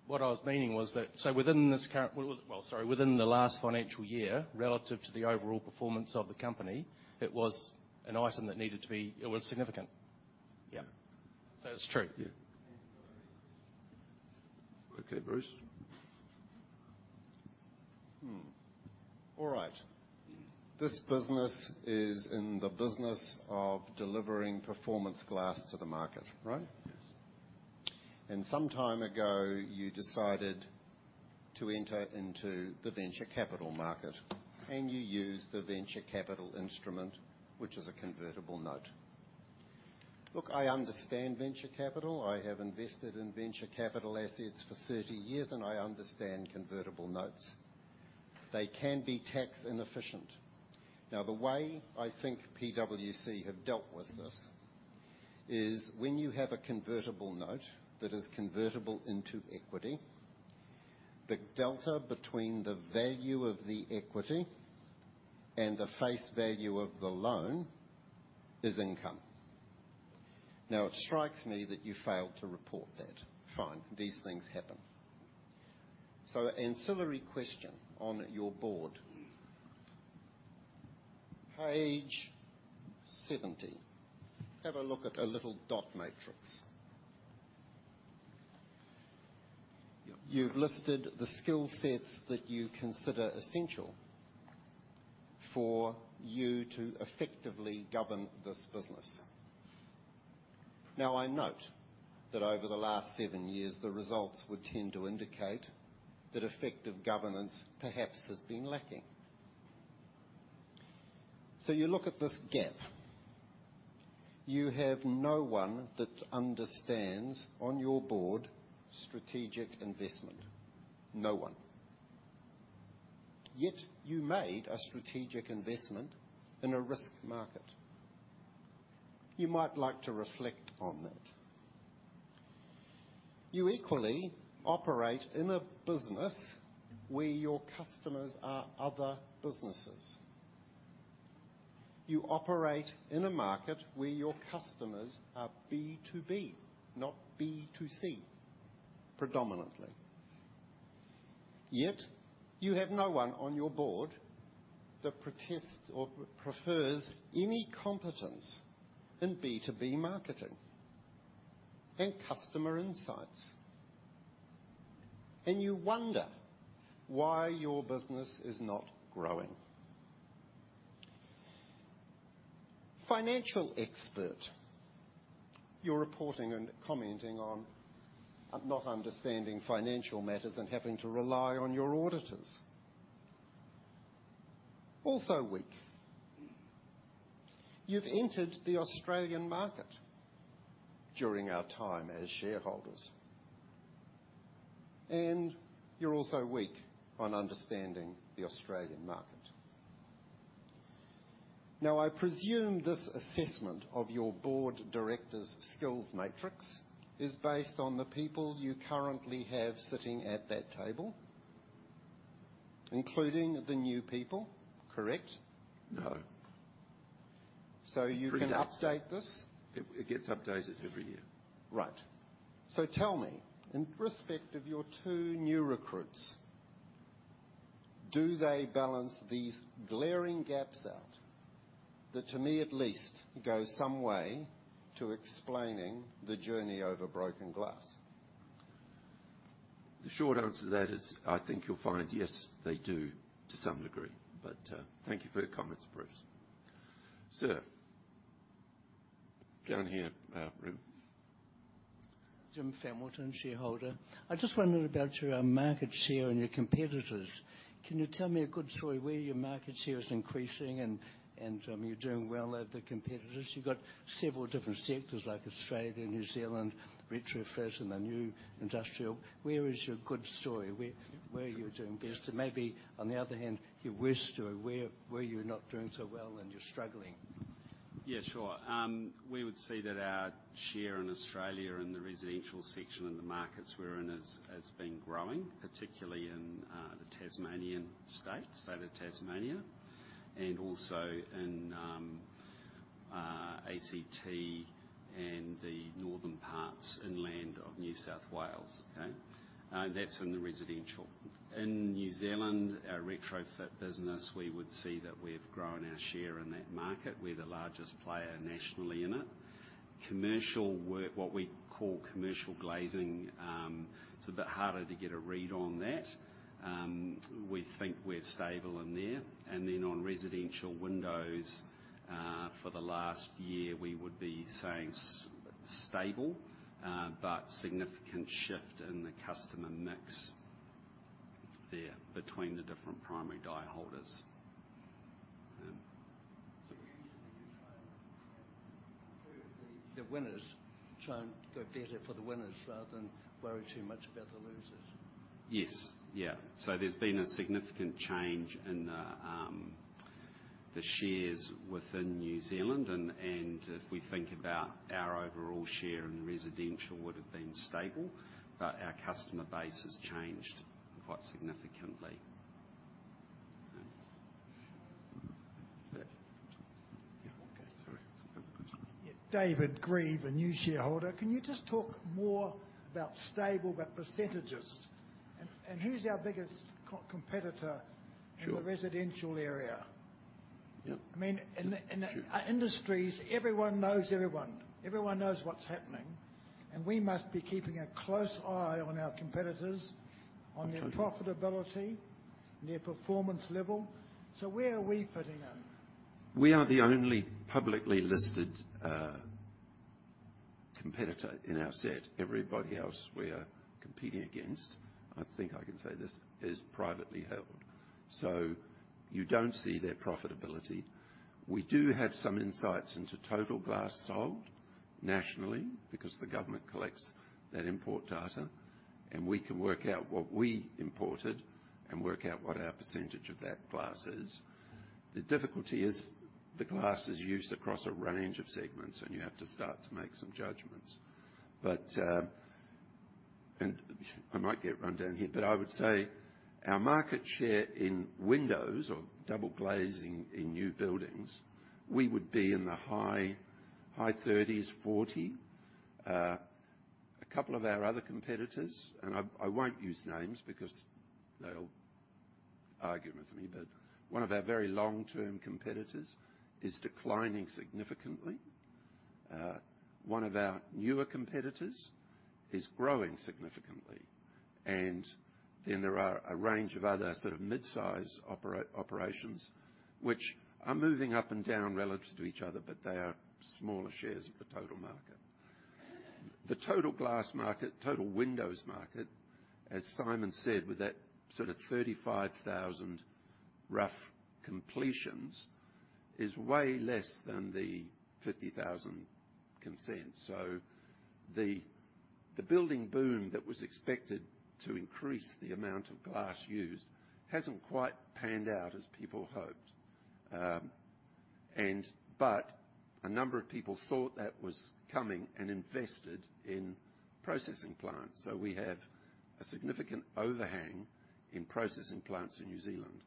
Speaker 6: What I was meaning was that, within the last financial year, relative to the overall performance of the company, it was an item that needed to be. It was significant. Yeah. It's true.
Speaker 1: Yeah. Okay, Bruce.
Speaker 4: All right. This business is in the business of delivering performance glass to the market, right?
Speaker 1: Yes.
Speaker 4: Some time ago, you decided to enter into the venture capital market, and you used the venture capital instrument, which is a convertible note. Look, I understand venture capital. I have invested in venture capital assets for 30 years, and I understand convertible notes. They can be tax inefficient. Now, the way I think PwC have dealt with this is when you have a convertible note that is convertible into equity, the delta between the value of the equity and the face value of the loan is income. Now, it strikes me that you failed to report that. Fine. These things happen. Ancillary question on your board. Page 70, have a look at a little dot matrix.
Speaker 1: Yep.
Speaker 4: You've listed the skill sets that you consider essential for you to effectively govern this business. Now, I note that over the last seven years, the results would tend to indicate that effective governance perhaps has been lacking. You look at this gap. You have no one that understands on your board strategic investment. No one. Yet you made a strategic investment in a risk market. You might like to reflect on that. You equally operate in a business where your customers are other businesses. You operate in a market where your customers are B2B, not B2C, predominantly. Yet you have no one on your board that protests or prefers any competence in B2B marketing and customer insights. You wonder why your business is not growing. Financial expert. You're reporting and commenting on not understanding financial matters and having to rely on your auditors. Also weak. You've entered the Australian market during our time as shareholders, and you're also weak on understanding the Australian market. Now, I presume this assessment of your board of directors skills matrix is based on the people you currently have sitting at that table, including the new people, correct?
Speaker 1: No.
Speaker 4: You can update this?
Speaker 1: It gets updated every year.
Speaker 4: Right. Tell me, in respect of your two new recruits, do they balance these glaring gaps out that to me at least, go some way to explaining the journey over broken glass?
Speaker 1: The short answer to that is I think you'll find, yes, they do to some degree, but thank you for your comments, Bruce. Sir. Down here, room.
Speaker 7: Jim Hamilton, Shareholder. I just wondered about your market share and your competitors. Can you tell me a good story where your market share is increasing and you're doing well over the competitors? You've got several different sectors like Australia, New Zealand, retrofit and the new industrial. Where is your good story? Where are you doing best? Maybe on the other hand, your worst story, where you're not doing so well and you're struggling.
Speaker 2: Yeah, sure. We would see that our share in Australia in the residential sector and the markets we're in has been growing, particularly in the state of Tasmania, and also in ACT and the northern parts inland of New South Wales. Okay. That's in the residential. In New Zealand, our retrofit business, we would see that we've grown our share in that market. We're the largest player nationally in it. Commercial work, what we call commercial glazing, it's a bit harder to get a read on that. We think we're stable in there. On residential windows, for the last year, we would be saying stable, but significant shift in the customer mix there between the different primary dye holders.
Speaker 7: You're using the new trailer. The winners try and go better for the winners rather than worry too much about the losers.
Speaker 2: Yes, yeah. There's been a significant change in the shares within New Zealand and if we think about our overall share in residential would have been stable, but our customer base has changed quite significantly. Okay.
Speaker 1: Yeah. Okay. Sorry.
Speaker 4: No worries.
Speaker 8: Yeah. David Grieve, a new shareholder. Can you just talk more about stable, about percentages? Who's our biggest competitor?
Speaker 1: Sure.
Speaker 8: in the residential area?
Speaker 1: Yeah.
Speaker 8: I mean, in
Speaker 1: Sure.
Speaker 8: Our industries, everyone knows everyone. Everyone knows what's happening. We must be keeping a close eye on our competitors.
Speaker 1: Absolutely.
Speaker 8: On their profitability and their performance level. Where are we fitting in?
Speaker 1: We are the only publicly listed competitor in our set. Everybody else we are competing against, I think I can say this, is privately held. So you don't see their profitability. We do have some insights into total glass sold nationally because the government collects that import data, and we can work out what we imported and work out what our percentage of that glass is. The difficulty is the glass is used across a range of segments, and you have to start to make some judgments. I might get run down here, but I would say our market share in windows or double glazing in new buildings, we would be in the high 30s-40%. A couple of our other competitors, and I won't use names because they'll argue with me, but one of our very long-term competitors is declining significantly. One of our newer competitors is growing significantly. Then there are a range of other sort of mid-size operations which are moving up and down relative to each other, but they are smaller shares of the total market. The total glass market, total windows market, as Simon said, with that sort of 35,000 rough completions, is way less than the 50,000 consents. The building boom that was expected to increase the amount of glass used hasn't quite panned out as people hoped. A number of people thought that was coming and invested in processing plants. We have a significant overhang in processing plants in New Zealand.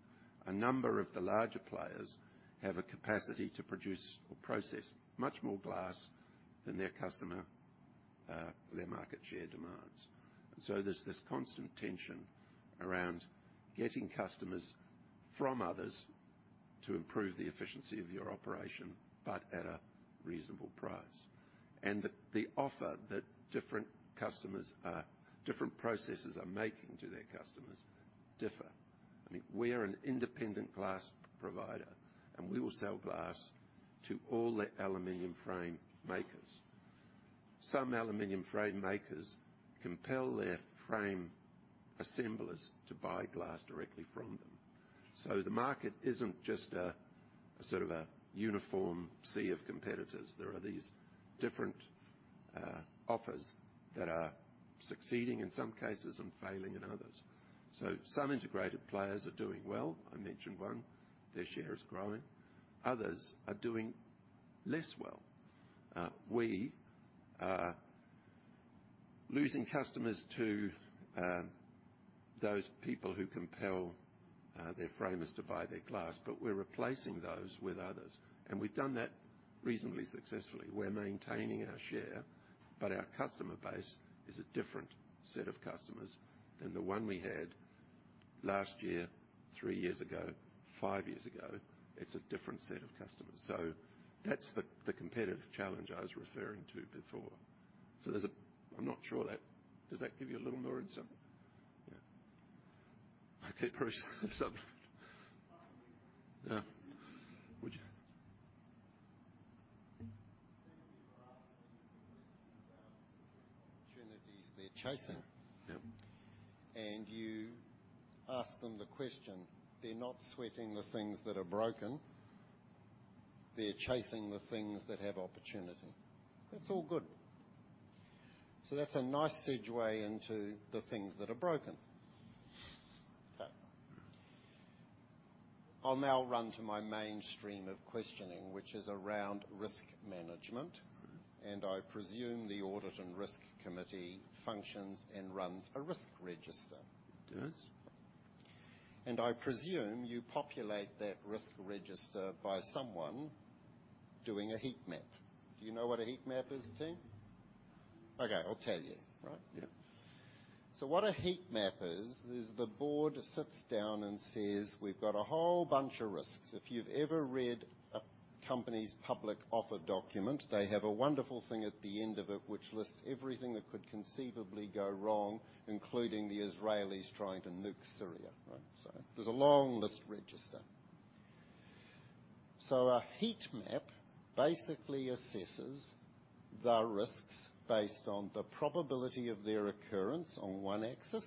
Speaker 1: A number of the larger players have a capacity to produce or process much more glass than their customer, their market share demands. There's this constant tension around getting customers from others to improve the efficiency of your operation, but at a reasonable price. The offer that different processors are making to their customers differ. I mean, we're an independent glass provider, and we will sell glass to all the aluminum frame makers. Some aluminum frame makers compel their frame assemblers to buy glass directly from them. The market isn't just a sort of uniform sea of competitors. There are these different offers that are succeeding in some cases and failing in others. Some integrated players are doing well. I mentioned one. Their share is growing. Others are doing less well. We are losing customers to those people who compel their framers to buy their glass, but we're replacing those with others, and we've done that reasonably successfully. We're maintaining our share, but our customer base is a different set of customers than the one we had last year, three years ago, five years ago. It's a different set of customers. That's the competitive challenge I was referring to before. Does that give you a little more insight? Yeah. Okay, Bruce.
Speaker 4: Finally.
Speaker 1: Yeah. Would you?
Speaker 4: Thank you for asking these questions about opportunities they're chasing.
Speaker 1: Yep.
Speaker 4: You ask them the question, they're not sweating the things that are broken, they're chasing the things that have opportunity. That's all good. That's a nice segue into the things that are broken.
Speaker 1: Okay.
Speaker 4: I'll now turn to my main stream of questioning, which is around risk management.
Speaker 1: Mm-hmm.
Speaker 4: I presume the audit and risk committee functions and runs a risk register.
Speaker 1: It does.
Speaker 4: I presume you populate that risk register by someone doing a heat map. Do you know what a heat map is, team? Okay, I'll tell you, right?
Speaker 1: Yeah.
Speaker 4: What a heat map is the board sits down and says, "We've got a whole bunch of risks." If you've ever read a company's public offer document, they have a wonderful thing at the end of it which lists everything that could conceivably go wrong, including the Israelis trying to nuke Syria, right? There's a long risk register. A heat map basically assesses the risks based on the probability of their occurrence on one axis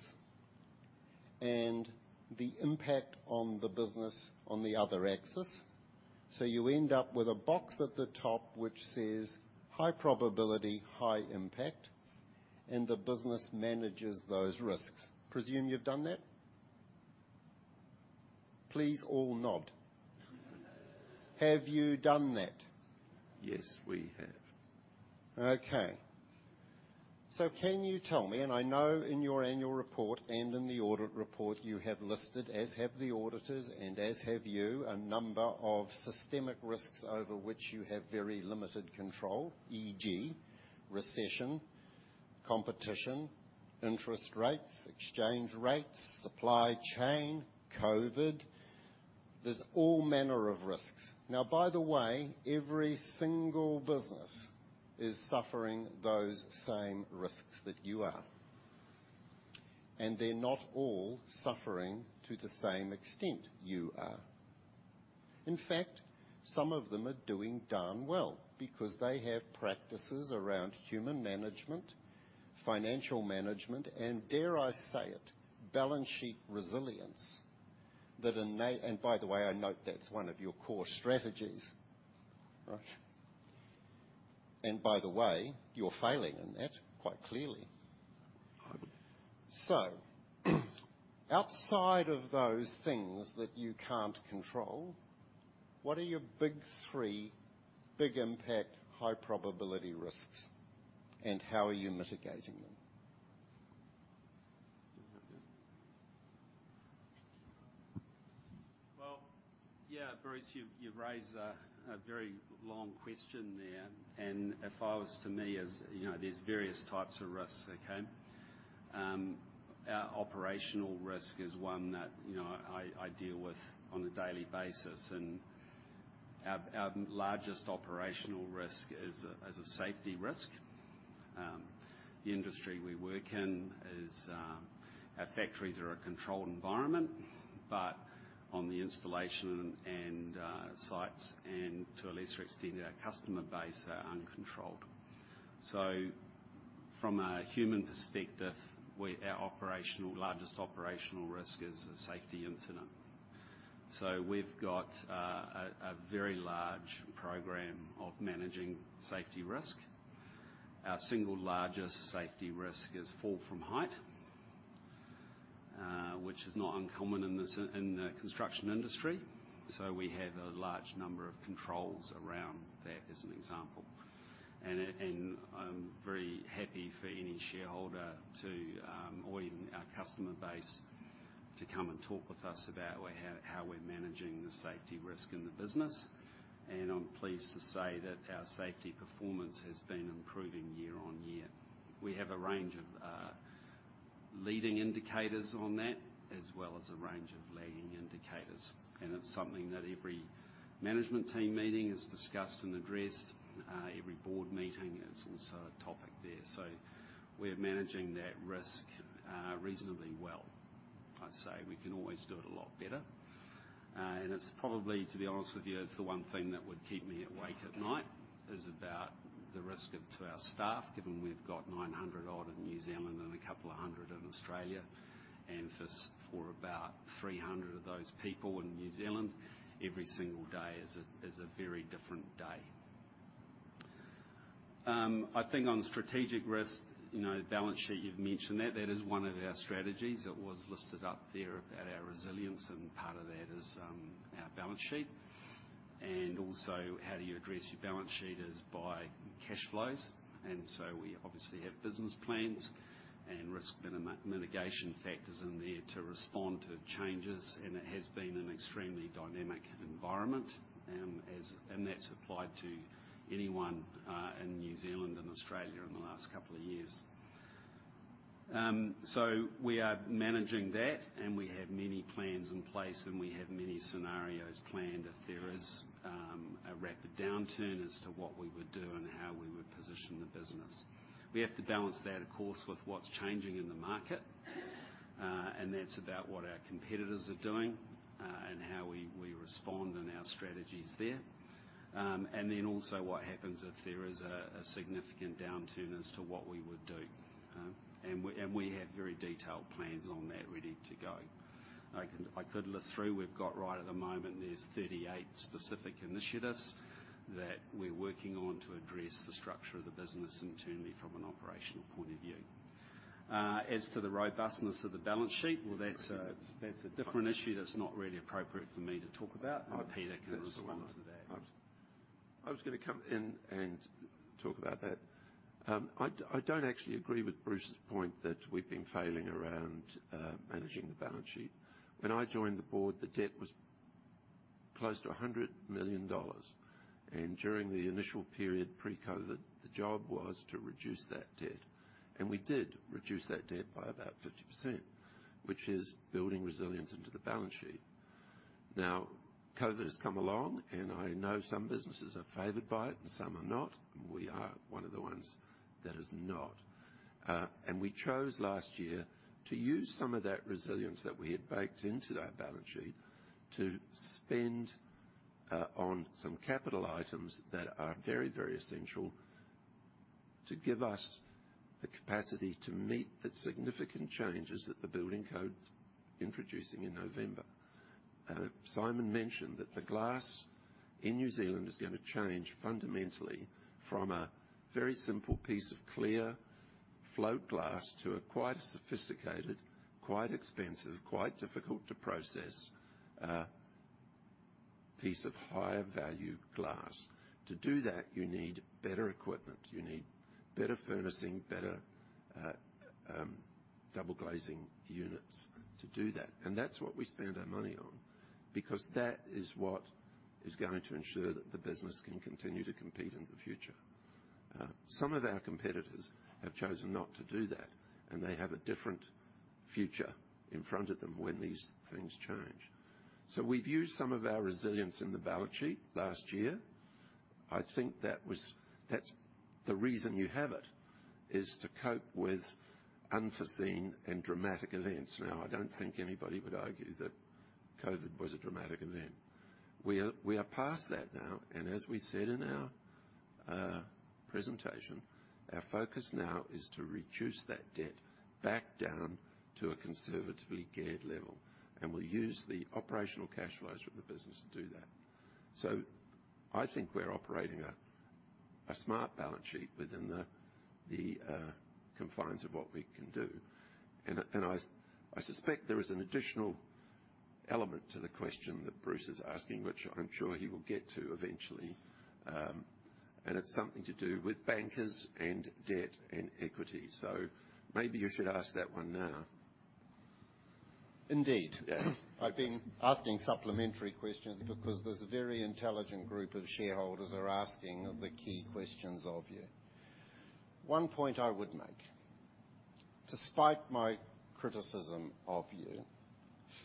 Speaker 4: and the impact on the business on the other axis. You end up with a box at the top which says, high probability, high impact, and the business manages those risks. Presume you've done that? Please all nod. Have you done that?
Speaker 1: Yes, we have.
Speaker 4: Okay. Can you tell me, and I know in your annual report and in the audit report, you have listed, as have the auditors and as have you, a number of systemic risks over which you have very limited control, e.g., recession, competition, interest rates, exchange rates, supply chain, COVID. There's all manner of risks. Now, by the way, every single business is suffering those same risks that you are. They're not all suffering to the same extent you are. In fact, some of them are doing darn well because they have practices around human management, financial management, and dare I say it, balance sheet resilience. By the way, I note that's one of your core strategies, right? By the way, you're failing in that quite clearly.
Speaker 1: Right.
Speaker 4: Outside of those things that you can't control, what are your big three big impact, high probability risks, and how are you mitigating them?
Speaker 1: Do you wanna do it?
Speaker 2: Well, yeah, Bruce, you've raised a very long question there. If I was to, as you know, there's various types of risks, okay? Our operational risk is one that, you know, I deal with on a daily basis. Our largest operational risk is a safety risk. The industry we work in is our factories are a controlled environment, but on the installation and sites and to a lesser extent, our customer base are uncontrolled. From a human perspective, our largest operational risk is a safety incident. We've got a very large program of managing safety risk. Our single largest safety risk is fall from height, which is not uncommon in the construction industry. We have a large number of controls around that as an example. I'm very happy for any shareholder to or even our customer base to come and talk with us about how we're managing the safety risk in the business. I'm pleased to say that our safety performance has been improving year-on-year. We have a range of leading indicators on that, as well as a range of lagging indicators. It's something that every management team meeting is discussed and addressed. Every board meeting is also a topic there. We're managing that risk reasonably well. I'd say we can always do it a lot better. It's probably, to be honest with you, the one thing that would keep me awake at night, the risk to our staff, given we've got 900 odd in New Zealand and 200 in Australia. For about 300 of those people in New Zealand, every single day is a very different day. I think on strategic risk, you know, balance sheet, you've mentioned that. That is one of our strategies. It was listed up there about our resilience, and part of that is our balance sheet. Also how do you address your balance sheet is by cash flows. We obviously have business plans and risk mitigation factors in there to respond to changes. It has been an extremely dynamic environment. That's applied to anyone in New Zealand and Australia in the last couple of years. We are managing that, and we have many plans in place, and we have many scenarios planned if there is a rapid downturn as to what we would do and how we would position the business. We have to balance that, of course, with what's changing in the market. That's about what our competitors are doing, and how we respond and our strategies there. What happens if there is a significant downturn as to what we would do. We have very detailed plans on that ready to go. I could list through. We've got, right at the moment, there's 38 specific initiatives that we're working on to address the structure of the business internally from an operational point of view. As to the robustness of the balance sheet, well, that's a different issue that's not really appropriate for me to talk about. Peter can respond to that.
Speaker 1: I was gonna come in and talk about that. I don't actually agree with Bruce's point that we've been flailing around managing the balance sheet. When I joined the board, the debt was close to 100 million dollars. During the initial period pre-COVID-19, the job was to reduce that debt. We did reduce that debt by about 50%, which is building resilience into the balance sheet. Now, COVID-19 has come along, and I know some businesses are favored by it and some are not. We are one of the ones that is not. We chose last year to use some of that resilience that we had baked into that balance sheet to spend on some capital items that are very, very essential to give us the capacity to meet the significant changes that the Building Code's introducing in November. Simon mentioned that the glass in New Zealand is gonna change fundamentally from a very simple piece of clear float glass to a quite sophisticated, quite expensive, quite difficult to process, piece of higher value glass. To do that, you need better equipment. You need better furnacing, double glazing units to do that. That's what we spend our money on, because that is what is going to ensure that the business can continue to compete in the future. Some of our competitors have chosen not to do that, and they have a different future in front of them when these things change. We've used some of our resilience in the balance sheet last year. That's the reason you have it, is to cope with unforeseen and dramatic events. Now, I don't think anybody would argue that COVID was a dramatic event. We are past that now, and as we said in our presentation, our focus now is to reduce that debt back down to a conservatively geared level. We'll use the operational cash flows from the business to do that. I think we're operating a smart balance sheet within the confines of what we can do. I suspect there is an additional element to the question that Bruce is asking, which I'm sure he will get to eventually. It's something to do with bankers and debt and equity. Maybe you should ask that one now.
Speaker 4: Indeed.
Speaker 1: Yeah.
Speaker 2: I've been asking supplementary questions because there's a very intelligent group of shareholders are asking the key questions of you. One point I would make: Despite my criticism of you,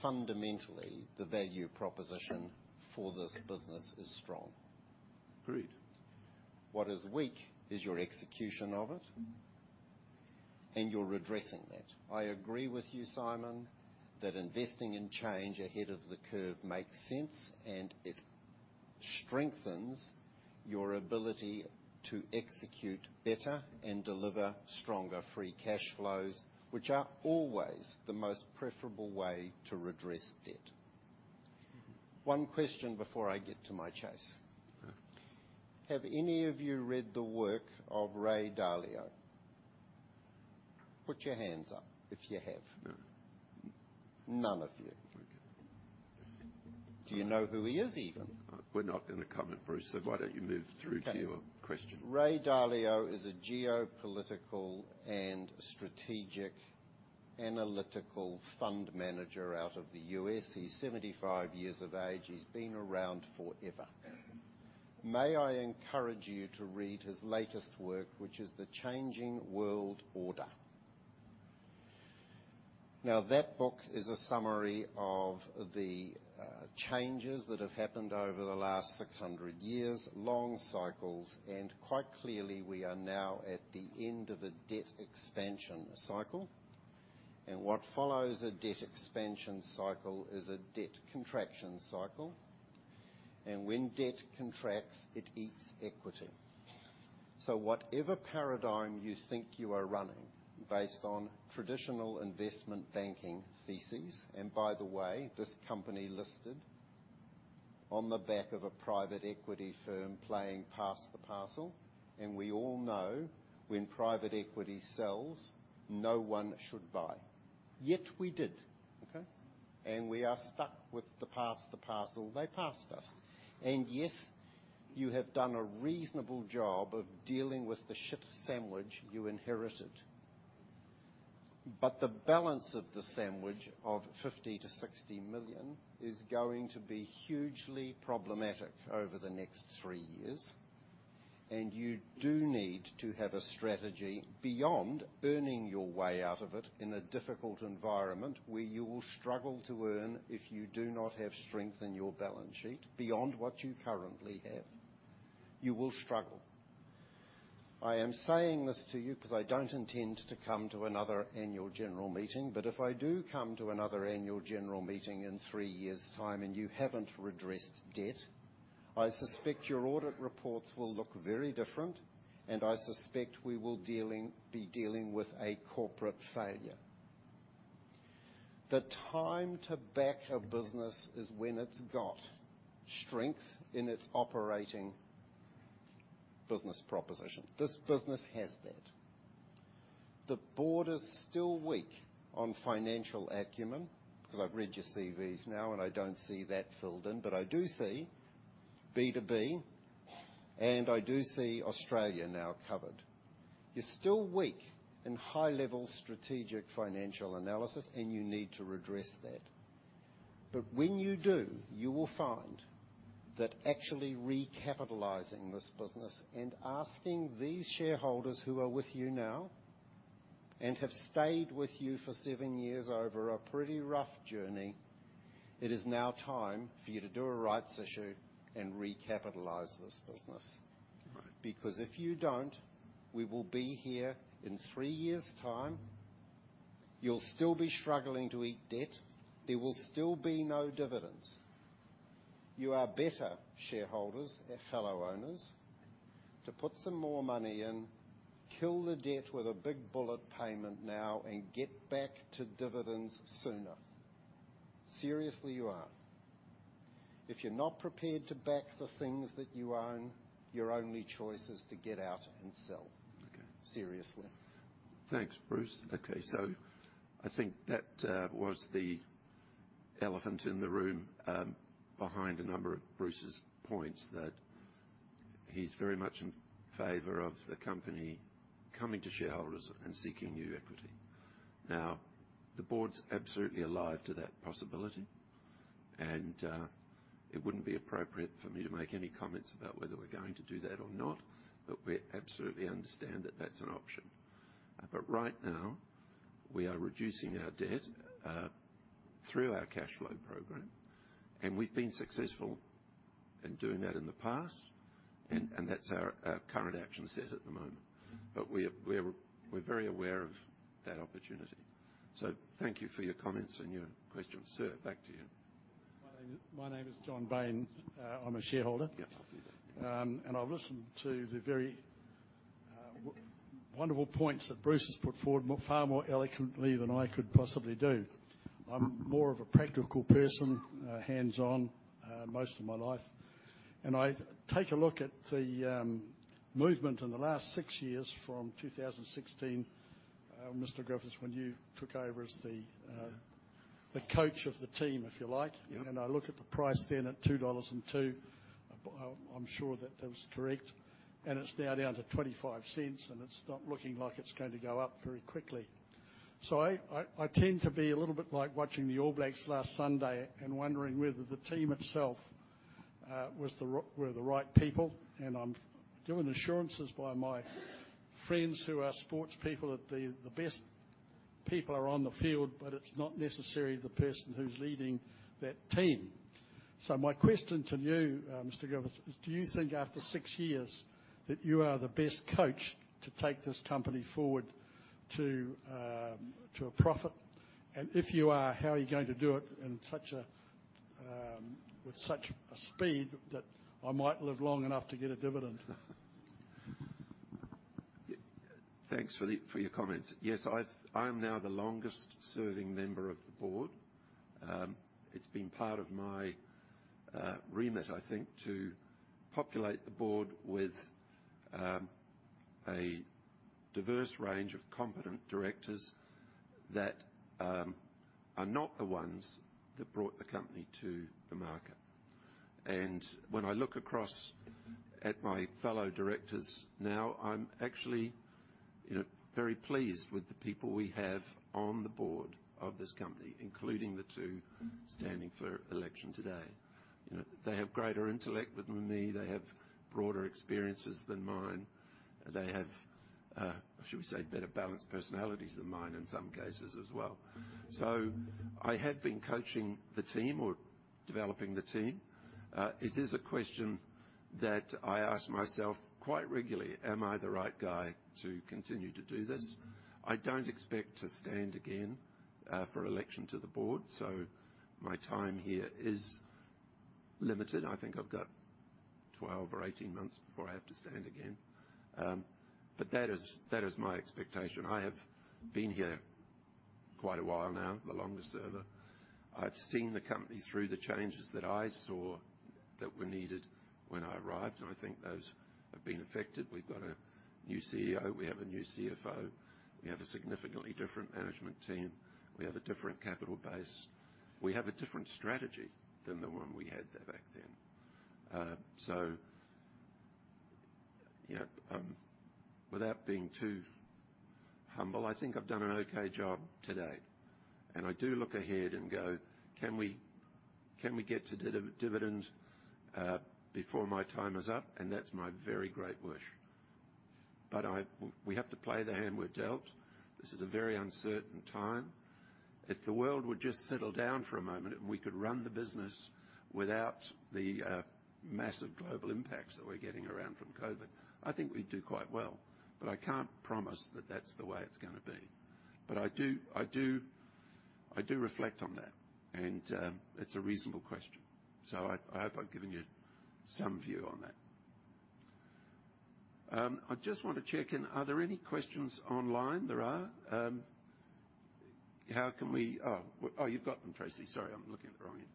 Speaker 2: fundamentally, the value proposition for this business is strong.
Speaker 1: Agreed.
Speaker 2: What is weak is your execution of it.
Speaker 1: Mm-hmm.
Speaker 2: You're redressing that. I agree with you, Simon, that investing in change ahead of the curve makes sense, and it strengthens your ability to execute better and deliver stronger free cash flows, which are always the most preferable way to redress debt.
Speaker 4: One question before I get to my case.
Speaker 1: Okay.
Speaker 4: Have any of you read the work of Ray Dalio? Put your hands up if you have.
Speaker 1: No.
Speaker 4: None of you.
Speaker 1: Okay.
Speaker 4: Do you know who he is, even?
Speaker 1: We're not gonna comment, Bruce, so why don't you move through to your question?
Speaker 4: Ray Dalio is a geopolitical and strategic analytical fund manager out of the US. He's 75 years of age. He's been around forever. May I encourage you to read his latest work, which is The Changing World Order. Now, that book is a summary of the changes that have happened over the last 600 years, long cycles, and quite clearly, we are now at the end of a debt expansion cycle. What follows a debt expansion cycle is a debt contraction cycle, and when debt contracts, it eats equity. Whatever paradigm you think you are running based on traditional investment banking theses, and by the way, this company listed on the back of a private equity firm playing pass the parcel, and we all know when private equity sells, no one should buy. Yet we did.
Speaker 1: Okay.
Speaker 4: We are stuck with the pass the parcel they passed us. Yes, you have done a reasonable job of dealing with the shit sandwich you inherited, but the balance sheet of 50 million-60 million is going to be hugely problematic over the next three years. You do need to have a strategy beyond earning your way out of it in a difficult environment where you will struggle to earn if you do not have strength in your balance sheet beyond what you currently have. You will struggle. I am saying this to you because I don't intend to come to another annual general meeting, but if I do come to another annual general meeting in three years' time and you haven't addressed debt, I suspect your audit reports will look very different, and I suspect we will be dealing with a corporate failure. The time to back a business is when it's got strength in its operating business proposition. This business has that. The board is still weak on financial acumen, because I've read your CVs now, and I don't see that filled in, but I do see B2B, and I do see Australia now covered. You're still weak in high-level strategic financial analysis, and you need to redress that. When you do, you will find that actually recapitalizing this business and asking these shareholders who are with you now and have stayed with you for seven years over a pretty rough journey, it is now time for you to do a rights issue and recapitalize this business.
Speaker 1: Right.
Speaker 4: Because if you don't, we will be here in three years' time. You'll still be struggling to eat debt. There will still be no dividends. You are better shareholders and fellow owners to put some more money in, kill the debt with a big bullet payment now, and get back to dividends sooner. Seriously, you are. If you're not prepared to back the things that you own, your only choice is to get out and sell.
Speaker 1: Okay.
Speaker 4: Seriously.
Speaker 1: Thanks, Bruce. Okay, I think that was the elephant in the room behind a number of Bruce's points that he's very much in favor of the company coming to shareholders and seeking new equity. Now, the board's absolutely alive to that possibility, and it wouldn't be appropriate for me to make any comments about whether we're going to do that or not, but we absolutely understand that that's an option. Right now, we are reducing our debt through our cash flow program, and we've been successful in doing that in the past, and that's our current action set at the moment. We're very aware of that opportunity. Thank you for your comments and your questions. Sir, back to you.
Speaker 9: My name is John Vane. I'm a shareholder.
Speaker 1: Yes.
Speaker 9: I've listened to the very wonderful points that Bruce has put forward far more eloquently than I could possibly do. I'm more of a practical person, hands-on, most of my life. I take a look at the movement in the last 6 years from 2016, Mr. Griffiths, when you took over as the coach of the team, if you like.
Speaker 1: Yeah.
Speaker 9: I look at the price then at 2.02 dollars. I'm sure that was correct. It's now down to 0.25, and it's not looking like it's going to go up very quickly. I tend to be a little bit like watching the All Blacks last Sunday and wondering whether the team itself was the right people. I'm getting assurances from my friends who are sports people that the best people are on the field, but it's not necessarily the person who's leading that team. My question to you, Mr. Griffiths, is do you think after six years that you are the best coach to take this company forward to a profit? If you are, how are you going to do it with such a speed that I might live long enough to get a dividend?
Speaker 1: Thanks for your comments. Yes, I'm now the longest serving member of the board. It's been part of my remit, I think, to populate the board with a diverse range of competent directors that are not the ones that brought the company to the market. When I look across at my fellow directors now, I'm actually, you know, very pleased with the people we have on the board of this company, including the two standing for election today. You know, they have greater intellect than me, they have broader experiences than mine, they have should we say, better balanced personalities than mine in some cases as well. I have been coaching the team or developing the team. It is a question that I ask myself quite regularly, "Am I the right guy to continue to do this?" I don't expect to stand again for election to the board, so my time here is limited. I think I've got 12 or 18 months before I have to stand again. That is my expectation. I have been here quite a while now, the longest server. I've seen the company through the changes that I saw that were needed when I arrived, and I think those have been affected. We've got a new CEO, we have a new CFO, we have a significantly different management team, we have a different capital base, we have a different strategy than the one we had back then. You know, without being too humble, I think I've done an okay job today. I do look ahead and go, "Can we get to dividends before my time is up?" That's my very great wish. We have to play the hand we're dealt. This is a very uncertain time. If the world would just settle down for a moment and we could run the business without the massive global impacts that we're getting around from COVID, I think we'd do quite well. I can't promise that that's the way it's gonna be. I do reflect on that, and it's a reasonable question. I hope I've given you some view on that. I just want to check in. Are there any questions online? There are. Oh, you've got them, Tracey. Sorry, I'm looking at the wrong end.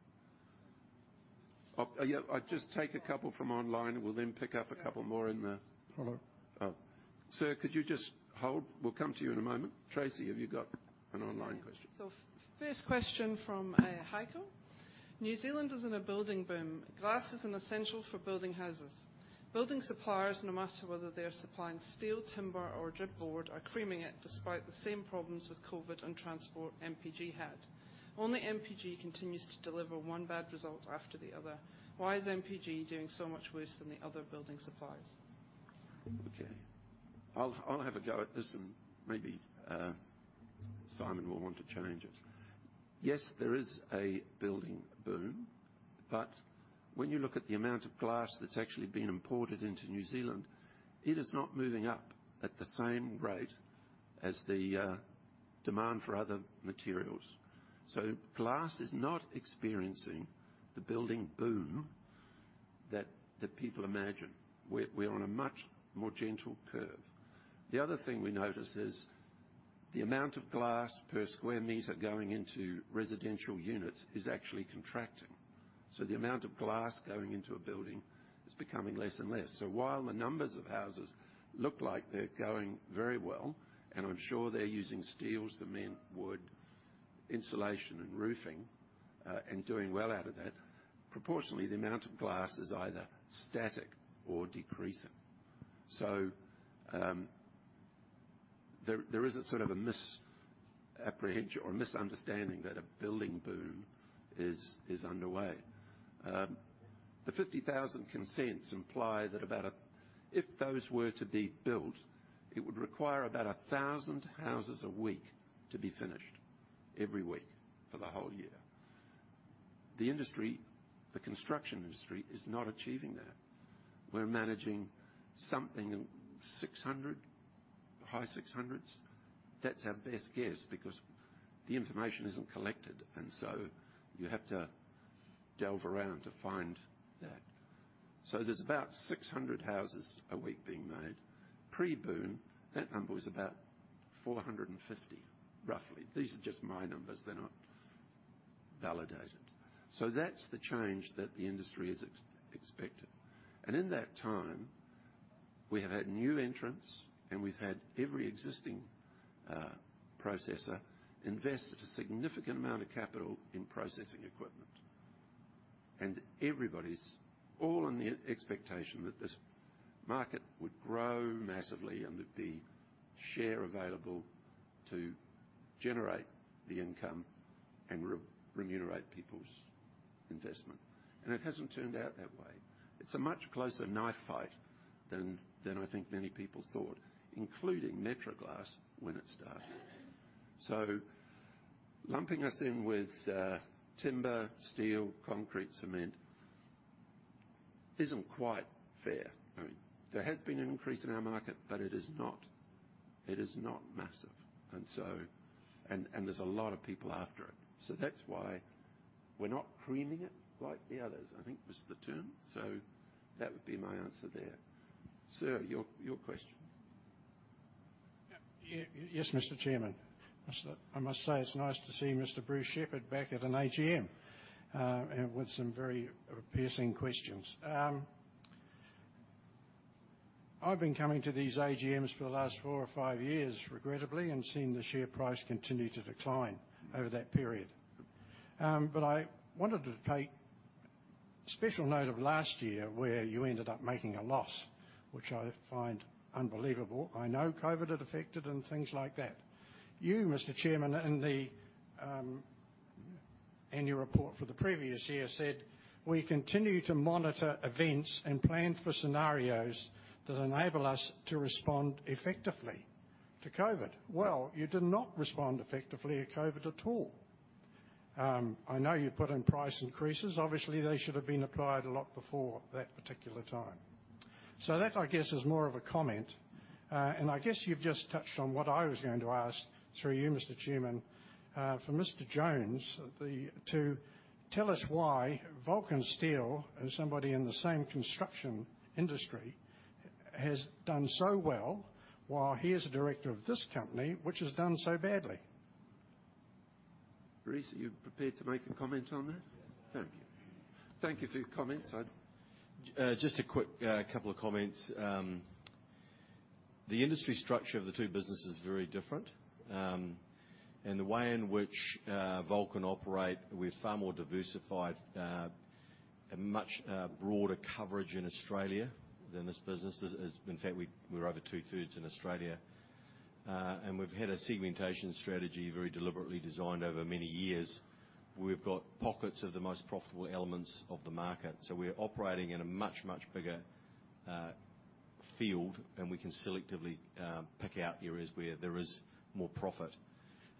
Speaker 1: Oh, yeah, I'll just take a couple from online, and we'll then pick up a couple more in the.
Speaker 10: Hello.
Speaker 1: Oh. Sir, could you just hold? We'll come to you in a moment. Tracey, have you got an online question?
Speaker 11: First question from Heiko. New Zealand is in a building boom. Glass is an essential for building houses. Building suppliers, no matter whether they are supplying steel, timber or Gyprock are creaming it despite the same problems with COVID and transport MPG had. Only MPG continues to deliver one bad result after the other. Why is MPG doing so much worse than the other building suppliers?
Speaker 1: Okay. I'll have a go at this and maybe Simon will want to change it. Yes, there is a building boom, but when you look at the amount of glass that's actually been imported into New Zealand, it is not moving up at the same rate as the demand for other materials. Glass is not experiencing the building boom that people imagine. We're on a much more gentle curve. The other thing we notice is the amount of glass per square meter going into residential units is actually contracting. The amount of glass going into a building is becoming less and less. While the numbers of houses look like they're going very well, and I'm sure they're using steel, cement, wood, insulation and roofing, and doing well out of it, proportionately, the amount of glass is either static or decreasing. there is a sort of a misapprehension or a misunderstanding that a building boom is underway. The 50,000 consents imply that if those were to be built, it would require about 1,000 houses a week to be finished every week for the whole year. The industry, the construction industry is not achieving that. We're managing something, 600, high six hundreds. That's our best guess because the information isn't collected, and so you have to delve around to find that. There's about 600 houses a week being made. Pre-boom, that number was about 450, roughly. These are just my numbers, they're not validated. That's the change that the industry has expected. In that time, we have had new entrants, and we've had every existing processor invest a significant amount of capital in processing equipment. Everybody's all in the expectation that this market would grow massively and there'd be share available to generate the income and remunerate people's investment. It hasn't turned out that way. It's a much closer knife fight than I think many people thought, including Metro Glass when it started. Lumping us in with timber, steel, concrete, cement isn't quite fair. I mean, there has been an increase in our market, but it is not massive. There's a lot of people after it. We're not creaming it like the others, I think was the term. That would be my answer there. Sir, your question.
Speaker 12: Yes, Mr. Chairman. I must say it's nice to see Mr. Bruce Shepherd back at an AGM with some very piercing questions. I've been coming to these AGMs for the last four or five years, regrettably, and seeing the share price continue to decline over that period. I wanted to take special note of last year where you ended up making a loss, which I find unbelievable. I know COVID had affected and things like that. You, Mr. Chairman, in the annual report for the previous year said, "We continue to monitor events and plan for scenarios that enable us to respond effectively to COVID." Well, you did not respond effectively to COVID at all. I know you put in price increases. Obviously, they should have been applied a lot before that particular time. That, I guess, is more of a comment. I guess you've just touched on what I was going to ask, through you, Mr. Chairman, for Mr. Jones to tell us why Vulcan Steel, as somebody in the same construction industry, has done so well while he as a director of this company, which has done so badly.
Speaker 1: Rhys, are you prepared to make a comment on that?
Speaker 13: Yes.
Speaker 1: Thank you. Thank you for your comments, sir.
Speaker 13: Just a quick couple of comments. The industry structure of the two businesses is very different. The way in which Vulcan operate, we're far more diversified, a much broader coverage in Australia than this business is. In fact, we're over two-thirds in Australia. We've had a segmentation strategy very deliberately designed over many years. We've got pockets of the most profitable elements of the market. We're operating in a much bigger field, and we can selectively pick out areas where there is more profit.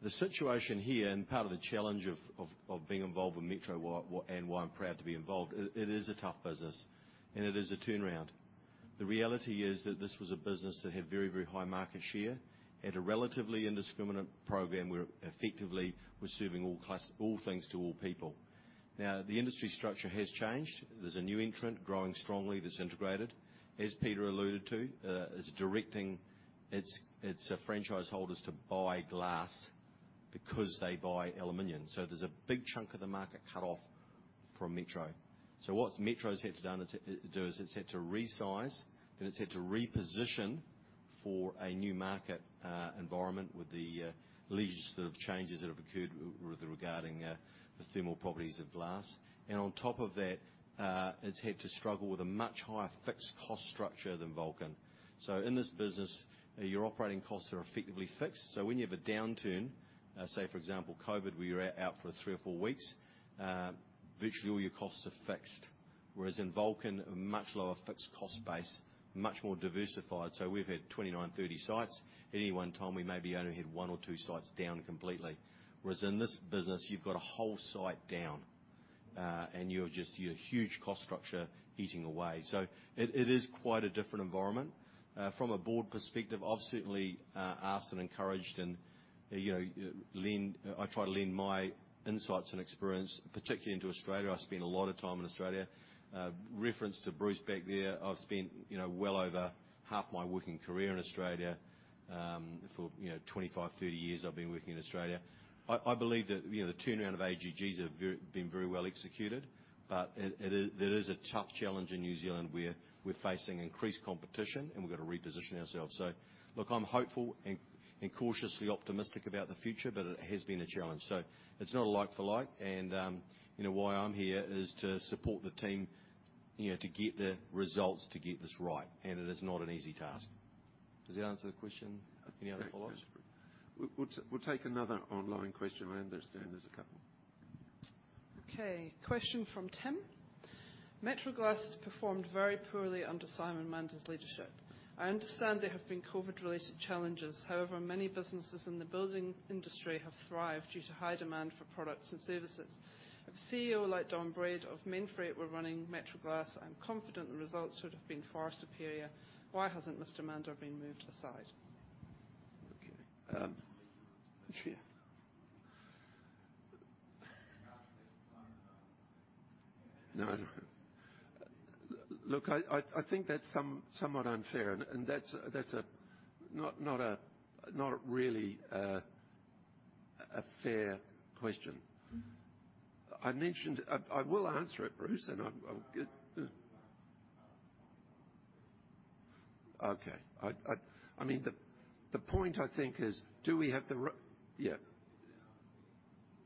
Speaker 13: The situation here and part of the challenge of being involved with Metro and why I'm proud to be involved, it is a tough business, and it is a turnaround. The reality is that this was a business that had very, very high market share, had a relatively indiscriminate program where effectively was serving all things to all people. The industry structure has changed. There's a new entrant growing strongly that's integrated. As Peter alluded to, is directing its franchise holders to buy glass because they buy aluminum. There's a big chunk of the market cut off from Metro. What Metro's had to do is it's had to resize, then it's had to reposition for a new market environment with the legislative changes that have occurred with regarding the thermal properties of glass. On top of that, it's had to struggle with a much higher fixed cost structure than Vulcan. In this business, your operating costs are effectively fixed. When you have a downturn, say, for example, COVID, where you're out for 3 or 4 weeks, virtually all your costs are fixed. Whereas in Vulcan, a much lower fixed cost base, much more diversified. We've had 29-30 sites. At any one time, we maybe only had 1 or 2 sites down completely. Whereas in this business, you've got a whole site down, and you've just, your huge cost structure eating away. It is quite a different environment. From a board perspective, I've certainly asked and encouraged and, you know, I try to lend my insights and experience, particularly into Australia. I've spent a lot of time in Australia. Reference to Bruce back there, I've spent, you know, well over half my working career in Australia. For, you know, 25-30 years, I've been working in Australia. I believe that, you know, the turnaround of AGC has been very well executed. There is a tough challenge in New Zealand, where we're facing increased competition and we've got to reposition ourselves. Look, I'm hopeful and cautiously optimistic about the future, but it has been a challenge. It's not a like for like. You know, why I'm here is to support the team, you know, to get the results, to get this right. It is not an easy task. Does that answer the question? Any other follow-ups?
Speaker 1: Thanks, Rhys. We'll take another online question. I understand there's a couple.
Speaker 11: Okay. Question from Tim. Metro Glass has performed very poorly under Simon Mander's leadership. I understand there have been COVID-related challenges. However, many businesses in the building industry have thrived due to high demand for products and services. If a CEO like Don Braid of Mainfreight were running Metro Glass, I'm confident the results would have been far superior. Why hasn't Mr. Mander been moved aside?
Speaker 1: Okay. Yeah. No, no. Look, I think that's somewhat unfair, and that's not really a fair question.
Speaker 11: Mm-hmm.
Speaker 1: I will answer it, Bruce. Okay. I mean, the point I think is, do we have the right? Yeah.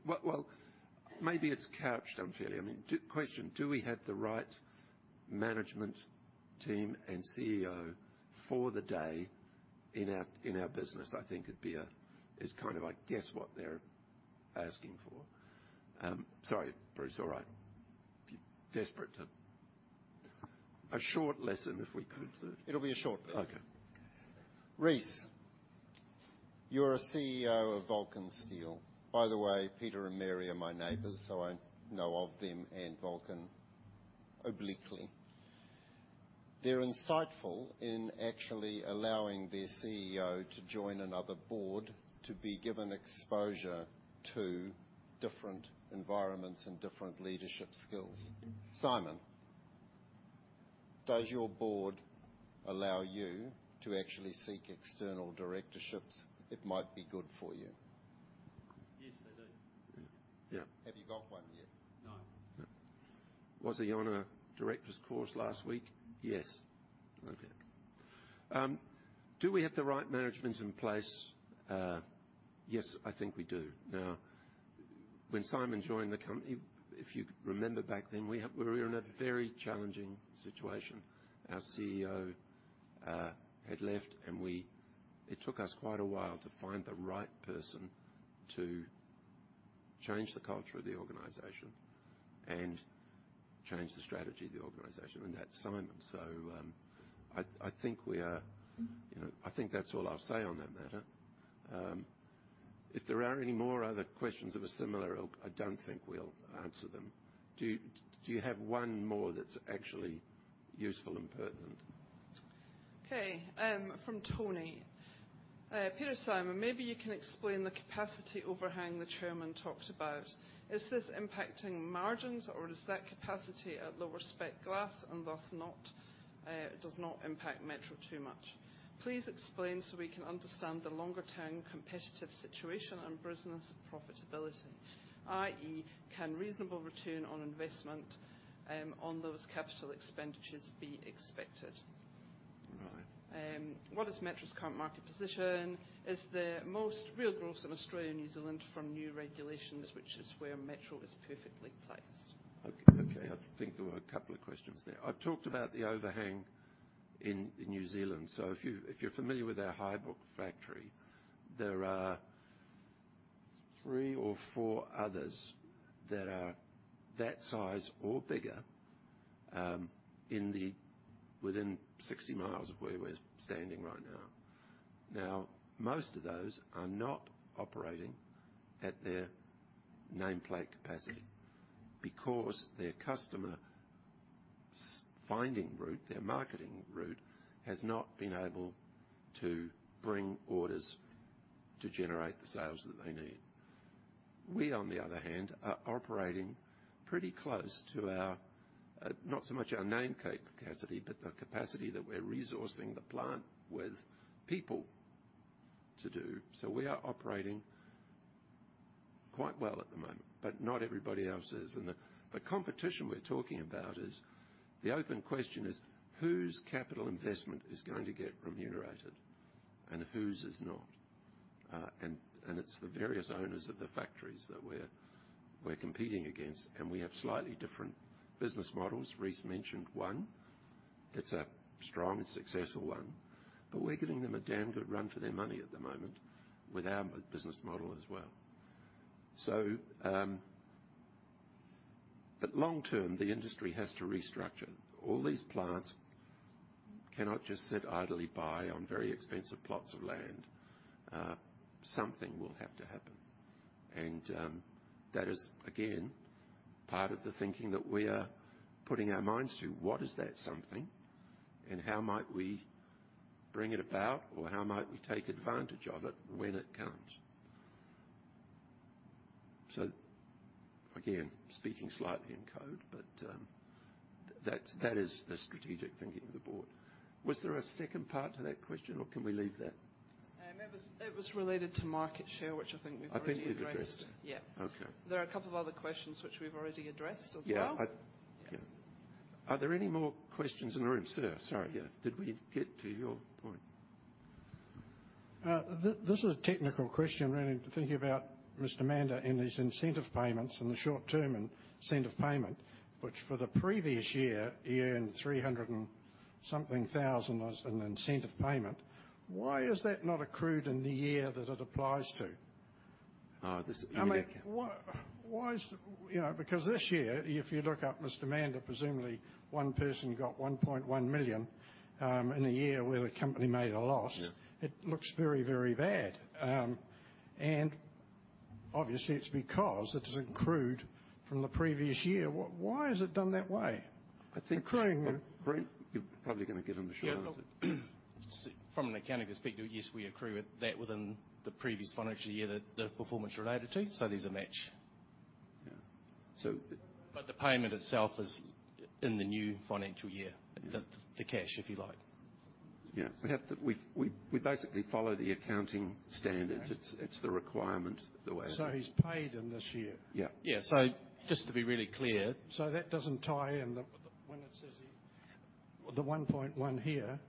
Speaker 1: Well, maybe it's couched unfairly. I mean, question, do we have the right management team and CEO for the day in our business? I think it'd be a yes, kind of, I guess, what they're asking for. Sorry, Bruce. All right. Desperate for a short lesson, if we could.
Speaker 4: It'll be a short lesson.
Speaker 1: Okay.
Speaker 4: Rhys, you're a CEO of Vulcan Steel. By the way, Peter and Mary are my neighbors, so I know of them and Vulcan obliquely.
Speaker 1: They're insightful in actually allowing their CEO to join another board to be given exposure to different environments and different leadership skills. Simon, does your board allow you to actually seek external directorships? It might be good for you.
Speaker 6: Yes, they do.
Speaker 1: Yeah. Have you got one yet?
Speaker 6: No.
Speaker 1: No. Was he on a director's course last week? Yes. Okay. Do we have the right management in place? Yes, I think we do. Now, when Simon joined the company, if you remember back then, we were in a very challenging situation. Our CEO had left, and it took us quite a while to find the right person to change the culture of the organization and change the strategy of the organization, and that's Simon. I think we are, you know. I think that's all I'll say on that matter. If there are any more other questions of a similar ilk, I don't think we'll answer them. Do you have one more that's actually useful and pertinent?
Speaker 11: Peter, Simon, maybe you can explain the capacity overhang the chairman talked about. Is this impacting margins, or is that capacity at lower spec glass and thus does not impact Metro too much? Please explain so we can understand the longer-term competitive situation and business profitability, i.e., can reasonable return on investment on those capital expenditures be expected.
Speaker 1: All right.
Speaker 11: What is Metro's current market position? Is there most real growth in Australia and New Zealand from new regulations, which is where Metro is perfectly placed?
Speaker 1: Okay, okay. I think there were a couple of questions there. I've talked about the overhang in New Zealand. If you're familiar with our Highbrook factory, there are three or four others that are that size or bigger within 60 miles of where we're standing right now. Now, most of those are not operating at their nameplate capacity because their customers finding route, their marketing route, has not been able to bring orders to generate the sales that they need. We, on the other hand, are operating pretty close to our, not so much our nameplate capacity, but the capacity that we're resourcing the plant with people to do. We are operating quite well at the moment, but not everybody else is. The competition we're talking about is the open question, whose capital investment is going to get remunerated and whose is not? It's the various owners of the factories that we're competing against, and we have slightly different business models. Rhys mentioned one. It's a strong and successful one, but we're giving them a damn good run for their money at the moment with our business model as well. Long term, the industry has to restructure. All these plants cannot just sit idly by on very expensive plots of land. Something will have to happen. That is, again, part of the thinking that we are putting our minds to. What is that something, and how might we bring it about, or how might we take advantage of it when it comes? Again, speaking slightly in code, but, that is the strategic thinking of the board. Was there a second part to that question, or can we leave that?
Speaker 11: It was related to market share, which I think we've already addressed.
Speaker 1: I think we've addressed.
Speaker 11: Yeah.
Speaker 1: Okay.
Speaker 11: There are a couple of other questions which we've already addressed as well.
Speaker 1: Yeah. Are there any more questions in the room? Sir, sorry, yes. Did we get to your point?
Speaker 12: This is a technical question, really. Thinking about Mr. Mander and his incentive payments and the short-term incentive payment, which for the previous year, he earned 300-something thousand as an incentive payment. Why is that not accrued in the year that it applies to?
Speaker 1: Uh, this-
Speaker 12: I mean, why is you know, because this year, if you look up Mr. Mander, presumably one person got 1.1 million in a year where the company made a loss?
Speaker 1: Yeah.
Speaker 12: It looks very, very bad. Obviously it's because it isn't accrued from the previous year. Why is it done that way?
Speaker 1: I think-
Speaker 12: Accruing-
Speaker 1: Rhys, you're probably gonna give him the short answer.
Speaker 6: Yeah. Look, from an accounting perspective, yes, we accrue it, that within the previous financial year that the performance related to, so there's a match.
Speaker 1: Yeah.
Speaker 6: The payment itself is in the new financial year.
Speaker 1: Yeah.
Speaker 6: The cash, if you like.
Speaker 1: Yeah. We basically follow the accounting standards.
Speaker 12: Okay.
Speaker 1: It's the requirement the way it is.
Speaker 12: He's paid in this year?
Speaker 1: Yeah.
Speaker 6: Yeah. Just to be really clear.
Speaker 12: That doesn't tie in. When it says the 1.1 here.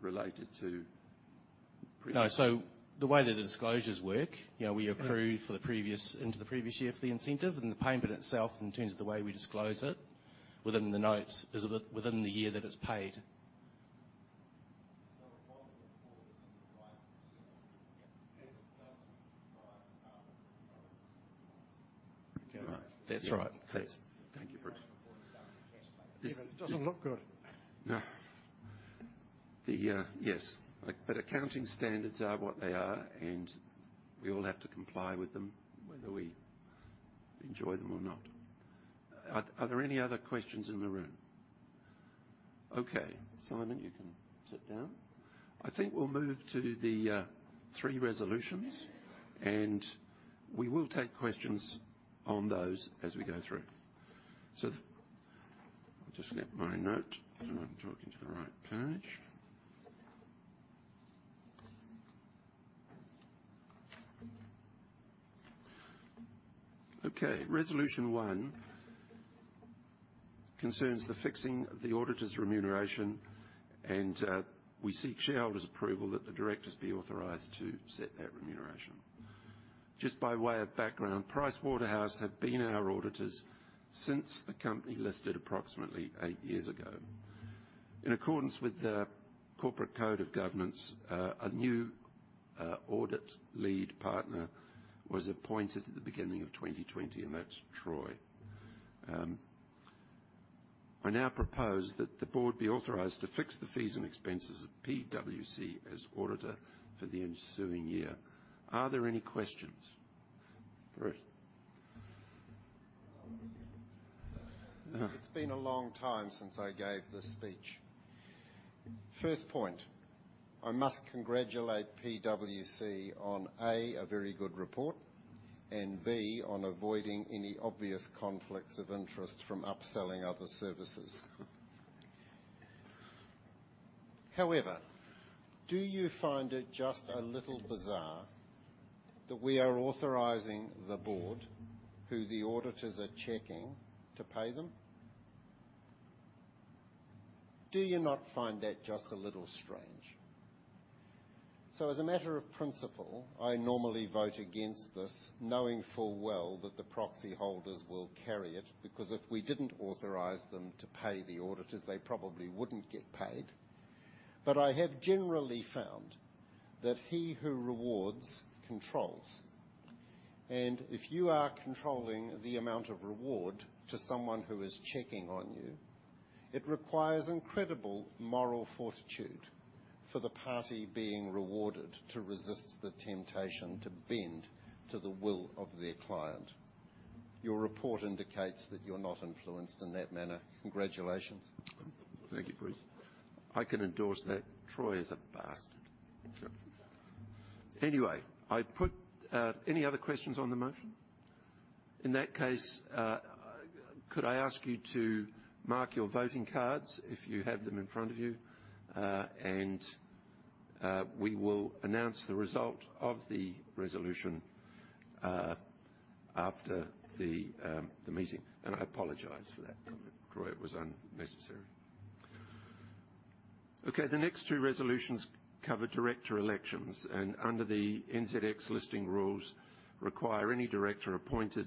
Speaker 1: Related to previous.
Speaker 6: No. The way that the disclosures work, you know.
Speaker 12: Okay
Speaker 6: We accrue for the previous, into the previous year for the incentive. The payment itself, in terms of the way we disclose it within the notes, is within the year that it's paid.
Speaker 14: If one of them falls in the right.
Speaker 6: That's right.
Speaker 1: Please. Thank you, Bruce.
Speaker 14: cash basis.
Speaker 4: It doesn't look good.
Speaker 1: No. The yes. Accounting standards are what they are, and we all have to comply with them whether we enjoy them or not. Are there any other questions in the room? Okay. Simon Mander, you can sit down. I think we'll move to the three resolutions, and we will take questions on those as we go through. So just get my note. I'm not talking to the right page. Okay. Resolution one concerns the fixing of the auditor's remuneration, and we seek shareholders' approval that the directors be authorized to set that remuneration. Just by way of background, PricewaterhouseCoopers have been our auditors since the company listed approximately eight years ago. In accordance with the corporate code of governance, a new audit lead partner was appointed at the beginning of 2020, and that's Troy Florence. I now propose that the board be authorized to fix the fees and expenses of PwC as auditor for the ensuing year. Are there any questions? Bruce.
Speaker 4: It's been a long time since I gave this speech. First point, I must congratulate PwC on, A, a very good report, and B, on avoiding any obvious conflicts of interest from upselling other services. However, do you find it just a little bizarre that we are authorizing the board, who the auditors are checking, to pay them? Do you not find that just a little strange? As a matter of principle, I normally vote against this, knowing full well that the proxy holders will carry it, because if we didn't authorize them to pay the auditors, they probably wouldn't get paid. I have generally found that he who rewards controls, and if you are controlling the amount of reward to someone who is checking on you, it requires incredible moral fortitude for the party being rewarded to resist the temptation to bend to the will of their client. Your report indicates that you're not influenced in that manner. Congratulations.
Speaker 1: Thank you, Bruce. I can endorse that Troy is a bastard. True. Anyway, any other questions on the motion? In that case, could I ask you to mark your voting cards if you have them in front of you? We will announce the result of the resolution after the meeting. I apologize for that comment. Troy, it was unnecessary. Okay. The next two resolutions cover director elections and, under the NZX listing rules, require any director appointed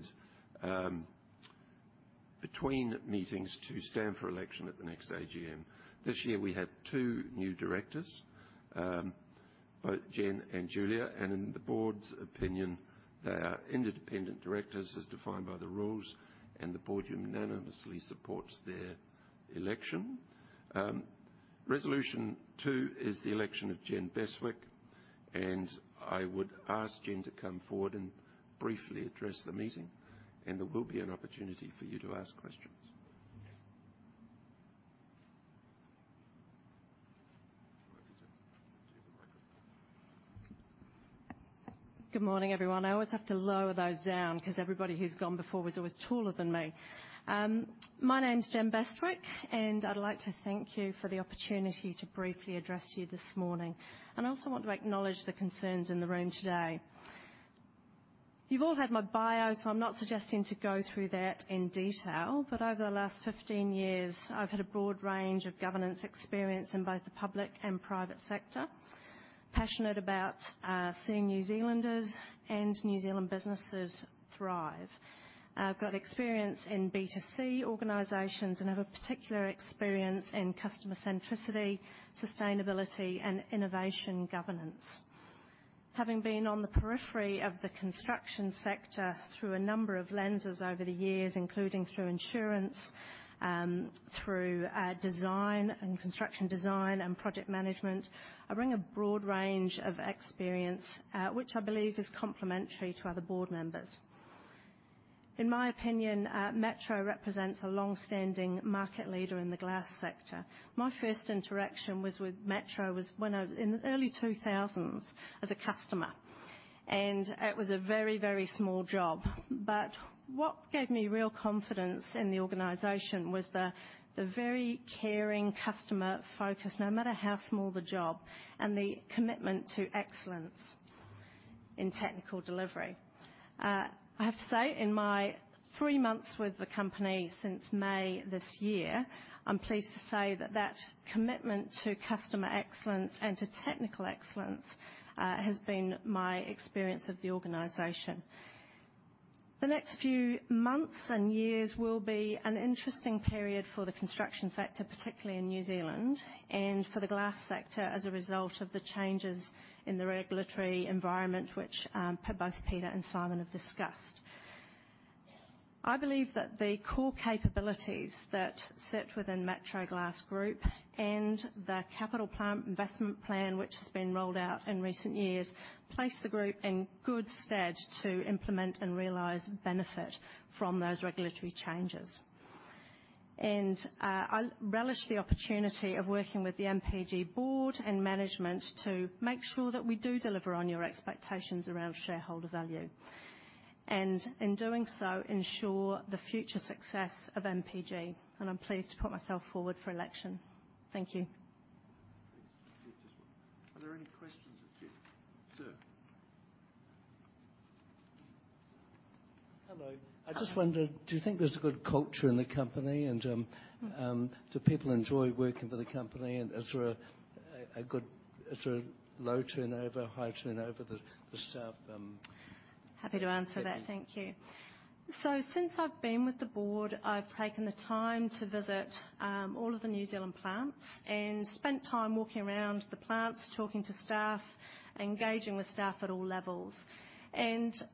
Speaker 1: between meetings to stand for election at the next AGM. This year we have two new directors, both Jen and Julia, and in the board's opinion, they are independent directors as defined by the rules, and the board unanimously supports their election. Resolution two is the election of Jen Bestwick, and I would ask Jen to come forward and briefly address the meeting, and there will be an opportunity for you to ask questions.
Speaker 15: Good morning, everyone. I always have to lower those down 'cause everybody who's gone before was always taller than me. My name's Jen Bestwick, and I'd like to thank you for the opportunity to briefly address you this morning. I also want to acknowledge the concerns in the room today. You've all had my bio, so I'm not suggesting to go through that in detail, but over the last 15 years, I've had a broad range of governance experience in both the public and private sector. Passionate about seeing New Zealanders and New Zealand businesses thrive. I've got experience in B2C organizations and have a particular experience in customer centricity, sustainability and innovation governance. Having been on the periphery of the construction sector through a number of lenses over the years, including through insurance, through design and construction and project management, I bring a broad range of experience, which I believe is complementary to other board members. In my opinion, Metro represents a long-standing market leader in the glass sector. My first interaction with Metro was in the early 2000s as a customer, and it was a very, very small job. What gave me real confidence in the organization was the very caring customer focus, no matter how small the job, and the commitment to excellence in technical delivery. I have to say, in my three months with the company since May this year, I'm pleased to say that commitment to customer excellence and to technical excellence has been my experience of the organization. The next few months and years will be an interesting period for the construction sector, particularly in New Zealand and for the glass sector as a result of the changes in the regulatory environment which both Peter and Simon have discussed. I believe that the core capabilities that sit within Metro Glass Group and the capital plan, investment plan which has been rolled out in recent years place the group in good stead to implement and realize benefit from those regulatory changes. I relish the opportunity of working with the MPG board and management to make sure that we do deliver on your expectations around shareholder value, and in doing so, ensure the future success of MPG. I'm pleased to put myself forward for election. Thank you.
Speaker 1: Are there any questions of Jen? Sir.
Speaker 7: Hello.
Speaker 15: Hi.
Speaker 7: I just wondered, do you think there's a good culture in the company and do people enjoy working for the company? Is there a low turnover, high turnover the staff?
Speaker 15: Happy to answer that.
Speaker 7: Thank you.
Speaker 15: Thank you. Since I've been with the board, I've taken the time to visit all of the New Zealand plants and spent time walking around the plants, talking to staff, engaging with staff at all levels.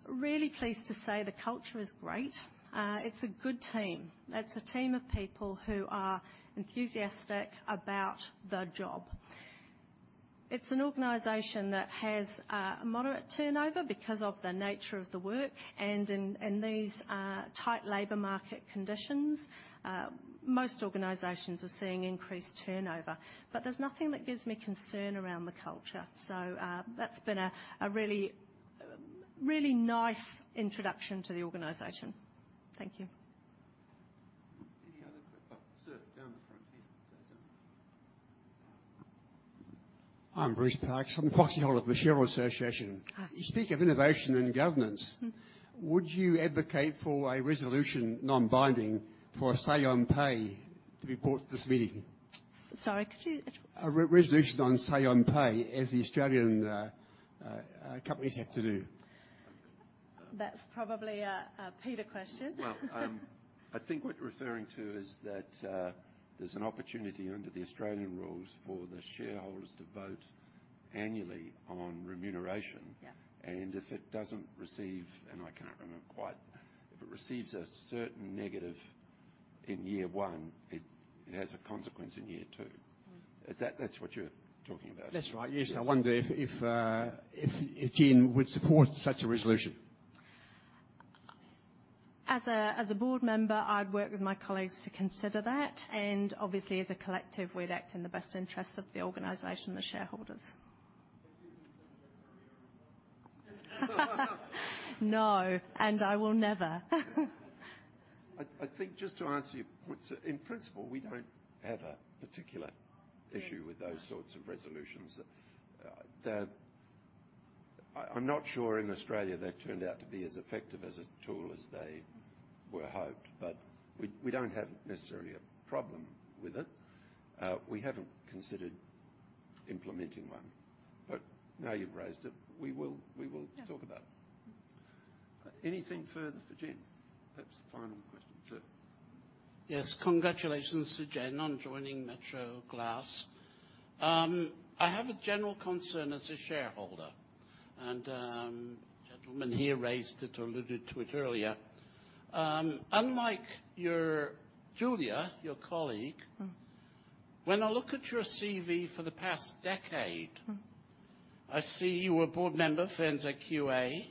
Speaker 15: Really pleased to say the culture is great. It's a good team. It's a team of people who are enthusiastic about the job. It's an organization that has a moderate turnover because of the nature of the work. In these tight labor market conditions, most organizations are seeing increased turnover. There's nothing that gives me concern around the culture. That's been a really nice introduction to the organization. Thank you.
Speaker 1: Sir, down the front here. Sir, down.
Speaker 16: I'm Bruce Parkes. I'm the proxy holder of the Shareholders Association.
Speaker 15: Hi.
Speaker 16: You speak of innovation and governance.
Speaker 15: Mm-hmm.
Speaker 16: Would you advocate for a resolution non-binding for say-on-pay to be put to this meeting?
Speaker 15: Sorry, could you?
Speaker 16: A re-resolution on say-on-pay as the Australian companies have to do.
Speaker 15: That's probably a Peter question.
Speaker 1: I think what you're referring to is that there's an opportunity under the Australian rules for the shareholders to vote annually on remuneration.
Speaker 15: Yeah.
Speaker 1: I can't remember quite if it receives a certain negative in year one, it has a consequence in year two.
Speaker 15: Mm-hmm.
Speaker 1: That's what you're talking about?
Speaker 16: That's right. Yes.
Speaker 1: Yes.
Speaker 16: I wonder if Jen would support such a resolution.
Speaker 15: As a board member, I'd work with my colleagues to consider that. Obviously as a collective, we'd act in the best interests of the organization and the shareholders.
Speaker 16: You wouldn't consider that a mere formality?
Speaker 15: No, I will never.
Speaker 1: I think just to answer your point, sir, in principle, we don't have a particular issue.
Speaker 15: Yeah
Speaker 1: With those sorts of resolutions. They're not sure in Australia they've turned out to be as effective as a tool as they were hoped, but we don't have necessarily a problem with it. We haven't considered implementing one. Now you've raised it, we will talk about it.
Speaker 15: Yeah.
Speaker 1: Anything further for Jen? Perhaps the final question. Sir.
Speaker 5: Yes. Congratulations to Jen on joining Metro Glass. I have a general concern as a shareholder, and, gentleman here raised it or alluded to it earlier. Unlike your Julia, your colleague.
Speaker 15: Mm-hmm
Speaker 5: When I look at your CV for the past decade.
Speaker 15: Mm-hmm
Speaker 5: I see you were a board member for NZQA,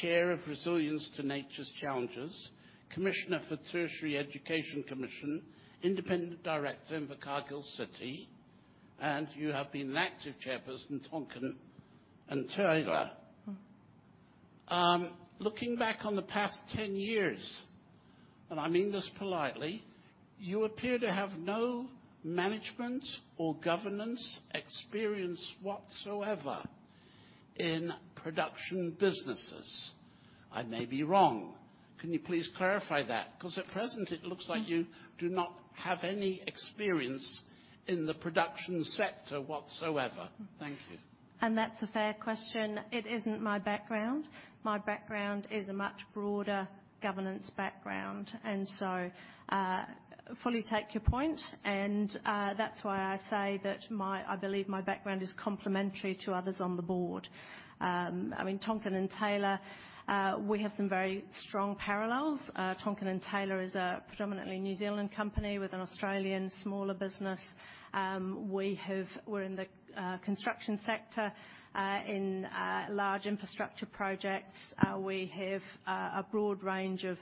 Speaker 5: Chair of Resilience to Nature's Challenges, Commissioner for Tertiary Education Commission, Independent Director for Invercargill City, and you have been an active chairperson, Tonkin + Taylor.
Speaker 15: Mm-hmm.
Speaker 5: Looking back on the past 10 years, and I mean this politely, you appear to have no management or governance experience whatsoever in production businesses. I may be wrong. Can you please clarify that? 'Cause at present it looks like you-
Speaker 15: Mm-hmm
Speaker 5: Do not have any experience in the production sector whatsoever.
Speaker 15: Mm-hmm.
Speaker 5: Thank you.
Speaker 15: That's a fair question. It isn't my background. My background is a much broader governance background, and so fully take your point, and that's why I say that I believe my background is complementary to others on the board. I mean, Tonkin + Taylor, we have some very strong parallels. Tonkin + Taylor is a predominantly New Zealand company with an Australian smaller business. We're in the construction sector in large infrastructure projects. We have a broad range of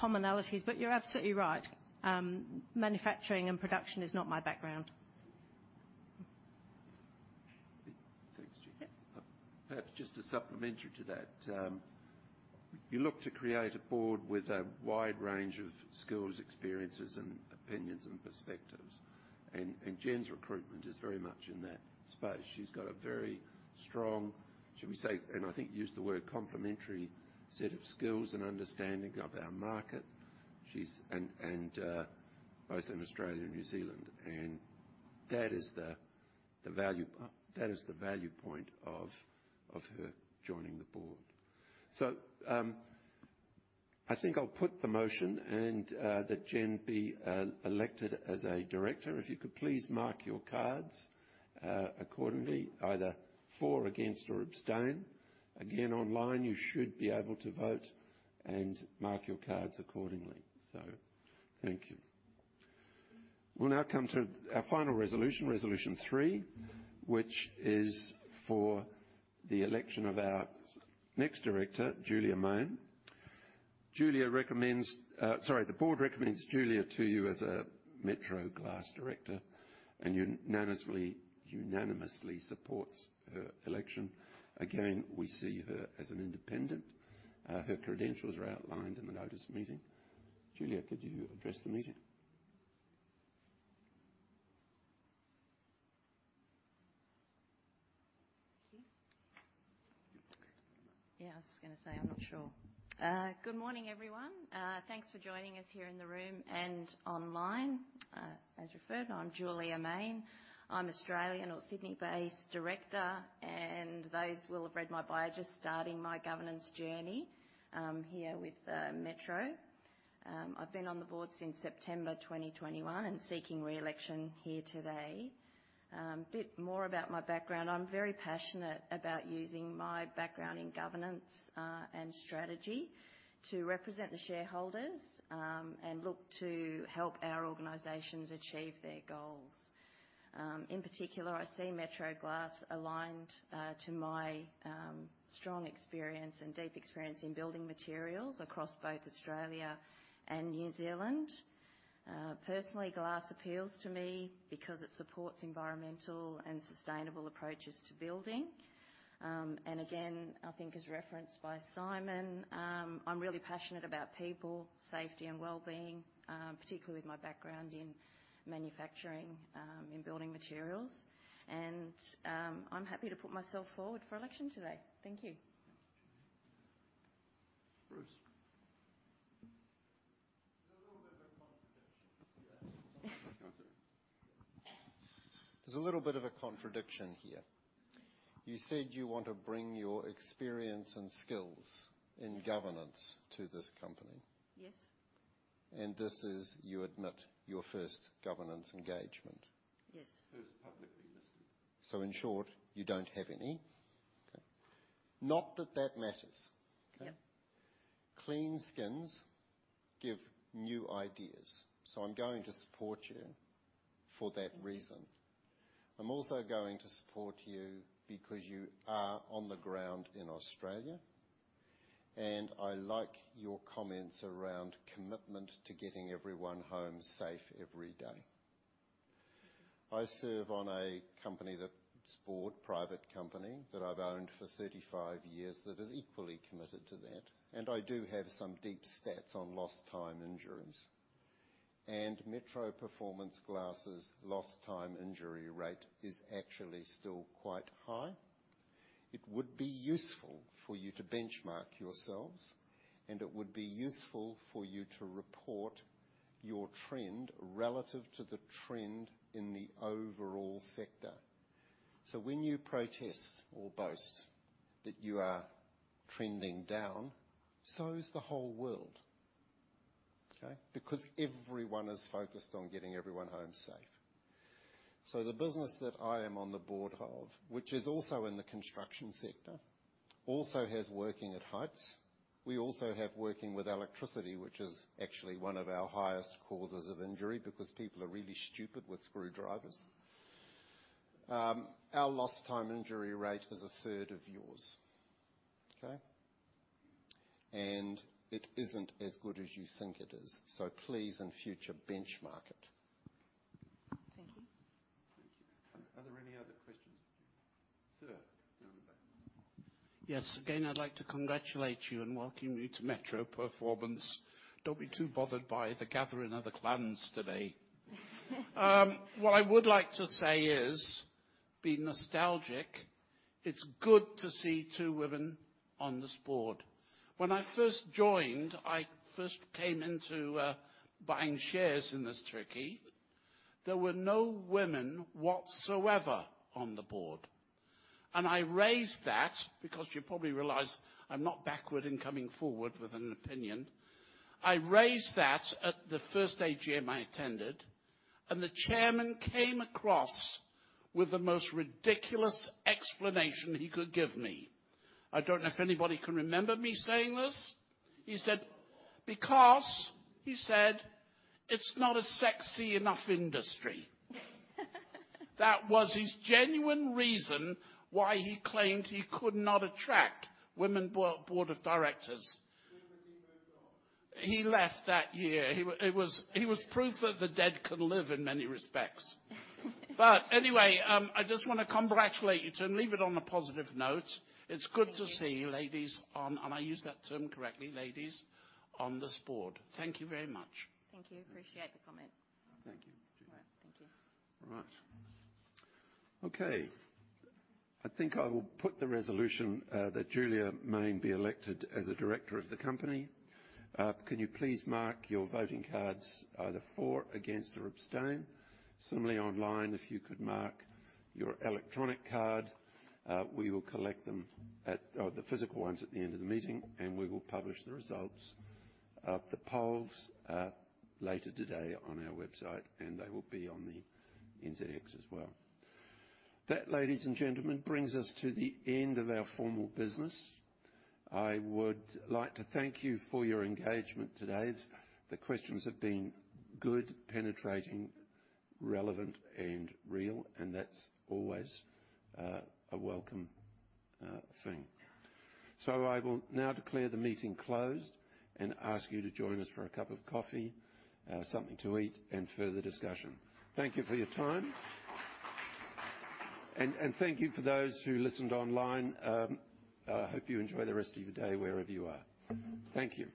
Speaker 15: commonalities. You're absolutely right, manufacturing and production is not my background.
Speaker 1: Thanks, Jen.
Speaker 15: Yeah.
Speaker 1: Perhaps just a supplementary to that. You look to create a board with a wide range of skills, experiences, opinions, and perspectives. Jen's recruitment is very much in that space. She's got a very strong, should we say, and I think you used the word complementary set of skills and understanding of our market. She's both in Australia and New Zealand, and that is the value point of her joining the board. I think I'll put the motion and that Jen be elected as a director. If you could please mark your cards accordingly, either for or against or abstain. Again, online, you should be able to vote and mark your cards accordingly. Thank you. We'll now come to our final resolution three, which is for the election of our next director, Julia Mayne. The board recommends Julia to you as a Metro Glass director, and unanimously supports her election. Again, we see her as an independent. Her credentials are outlined in the notice of the meeting. Julia, could you address the meeting?
Speaker 14: Thank you.
Speaker 4: You okay?
Speaker 14: Good morning, everyone. Thanks for joining us here in the room and online. As referred, I'm Julia Mayne. I'm Australian or Sydney-based director, and those who have read my bio, just starting my governance journey here with Metro. I've been on the board since September 2021 and seeking re-election here today. A bit more about my background. I'm very passionate about using my background in governance and strategy to represent the shareholders and look to help our organizations achieve their goals. In particular, I see Metro Glass aligned to my strong experience and deep experience in building materials across both Australia and New Zealand. Personally, glass appeals to me because it supports environmental and sustainable approaches to building. Again, I think as referenced by Simon, I'm really passionate about people, safety and well-being, particularly with my background in manufacturing, in building materials. I'm happy to put myself forward for election today. Thank you.
Speaker 4: Bruce.
Speaker 14: There's a little bit of a contradiction.
Speaker 4: Sorry. There's a little bit of a contradiction here. You said you want to bring your experience and skills in governance to this company.
Speaker 14: Yes.
Speaker 4: This is, you admit, your first governance engagement.
Speaker 14: Yes. First publicly listed.
Speaker 4: In short, you don't have any. Okay. Not that that matters.
Speaker 14: Yeah.
Speaker 4: Clean skins give new ideas, so I'm going to support you for that reason. I'm also going to support you because you are on the ground in Australia, and I like your comments around commitment to getting everyone home safe every day. I serve on a company's board, private company that I've owned for 35 years that is equally committed to that, and I do have some deep stats on lost time injuries. Metro Performance Glass' lost time injury rate is actually still quite high. It would be useful for you to benchmark yourselves, and it would be useful for you to report your trend relative to the trend in the overall sector. When you protest or boast that you are trending down, so is the whole world. Okay. Everyone is focused on getting everyone home safe. The business that I am on the board of, which is also in the construction sector, also has working at heights. We also have working with electricity, which is actually one of our highest causes of injury because people are really stupid with screwdrivers. Our lost time injury rate is a third of yours. Okay. And it isn't as good as you think it is. Please, in future, benchmark it.
Speaker 14: Thank you.
Speaker 4: Thank you. Are there any other questions? Sir, down the back.
Speaker 5: Yes. Again, I'd like to congratulate you and welcome you to Metro Performance. Don't be too bothered by the gathering of the clans today. What I would like to say is, being nostalgic, it's good to see two women on this board. When I first joined, I first came into buying shares in this company, there were no women whatsoever on the board. I raised that because you probably realize I'm not backward in coming forward with an opinion. I raised that at the first AGM I attended, and the chairman came across with the most ridiculous explanation he could give me. I don't know if anybody can remember me saying this. He said, "It's not a sexy enough industry." That was his genuine reason why he claimed he could not attract women board of directors.
Speaker 14: When was he moved on?
Speaker 5: He left that year. It was, he was proof that the dead can live in many respects. Anyway, I just wanna congratulate you two and leave it on a positive note.
Speaker 14: Thank you.
Speaker 5: It's good to see you ladies on, and I use that term correctly, ladies on this board. Thank you very much.
Speaker 14: Thank you. Appreciate the comment.
Speaker 4: Thank you.
Speaker 14: All right. Thank you.
Speaker 1: All right. Okay. I think I will put the resolution that Julia Mayne be elected as a director of the company. Can you please mark your voting cards either for, against, or abstain? Similarly, online, if you could mark your electronic card. We will collect them, the physical ones, at the end of the meeting, and we will publish the results of the polls later today on our website, and they will be on the NZX as well. That, ladies and gentlemen, brings us to the end of our formal business. I would like to thank you for your engagement today. The questions have been good, penetrating, relevant, and real, and that's always a welcome thing. I will now declare the meeting closed and ask you to join us for a cup of coffee, something to eat, and further discussion. Thank you for your time. Thank you for those who listened online. Hope you enjoy the rest of your day wherever you are. Thank you.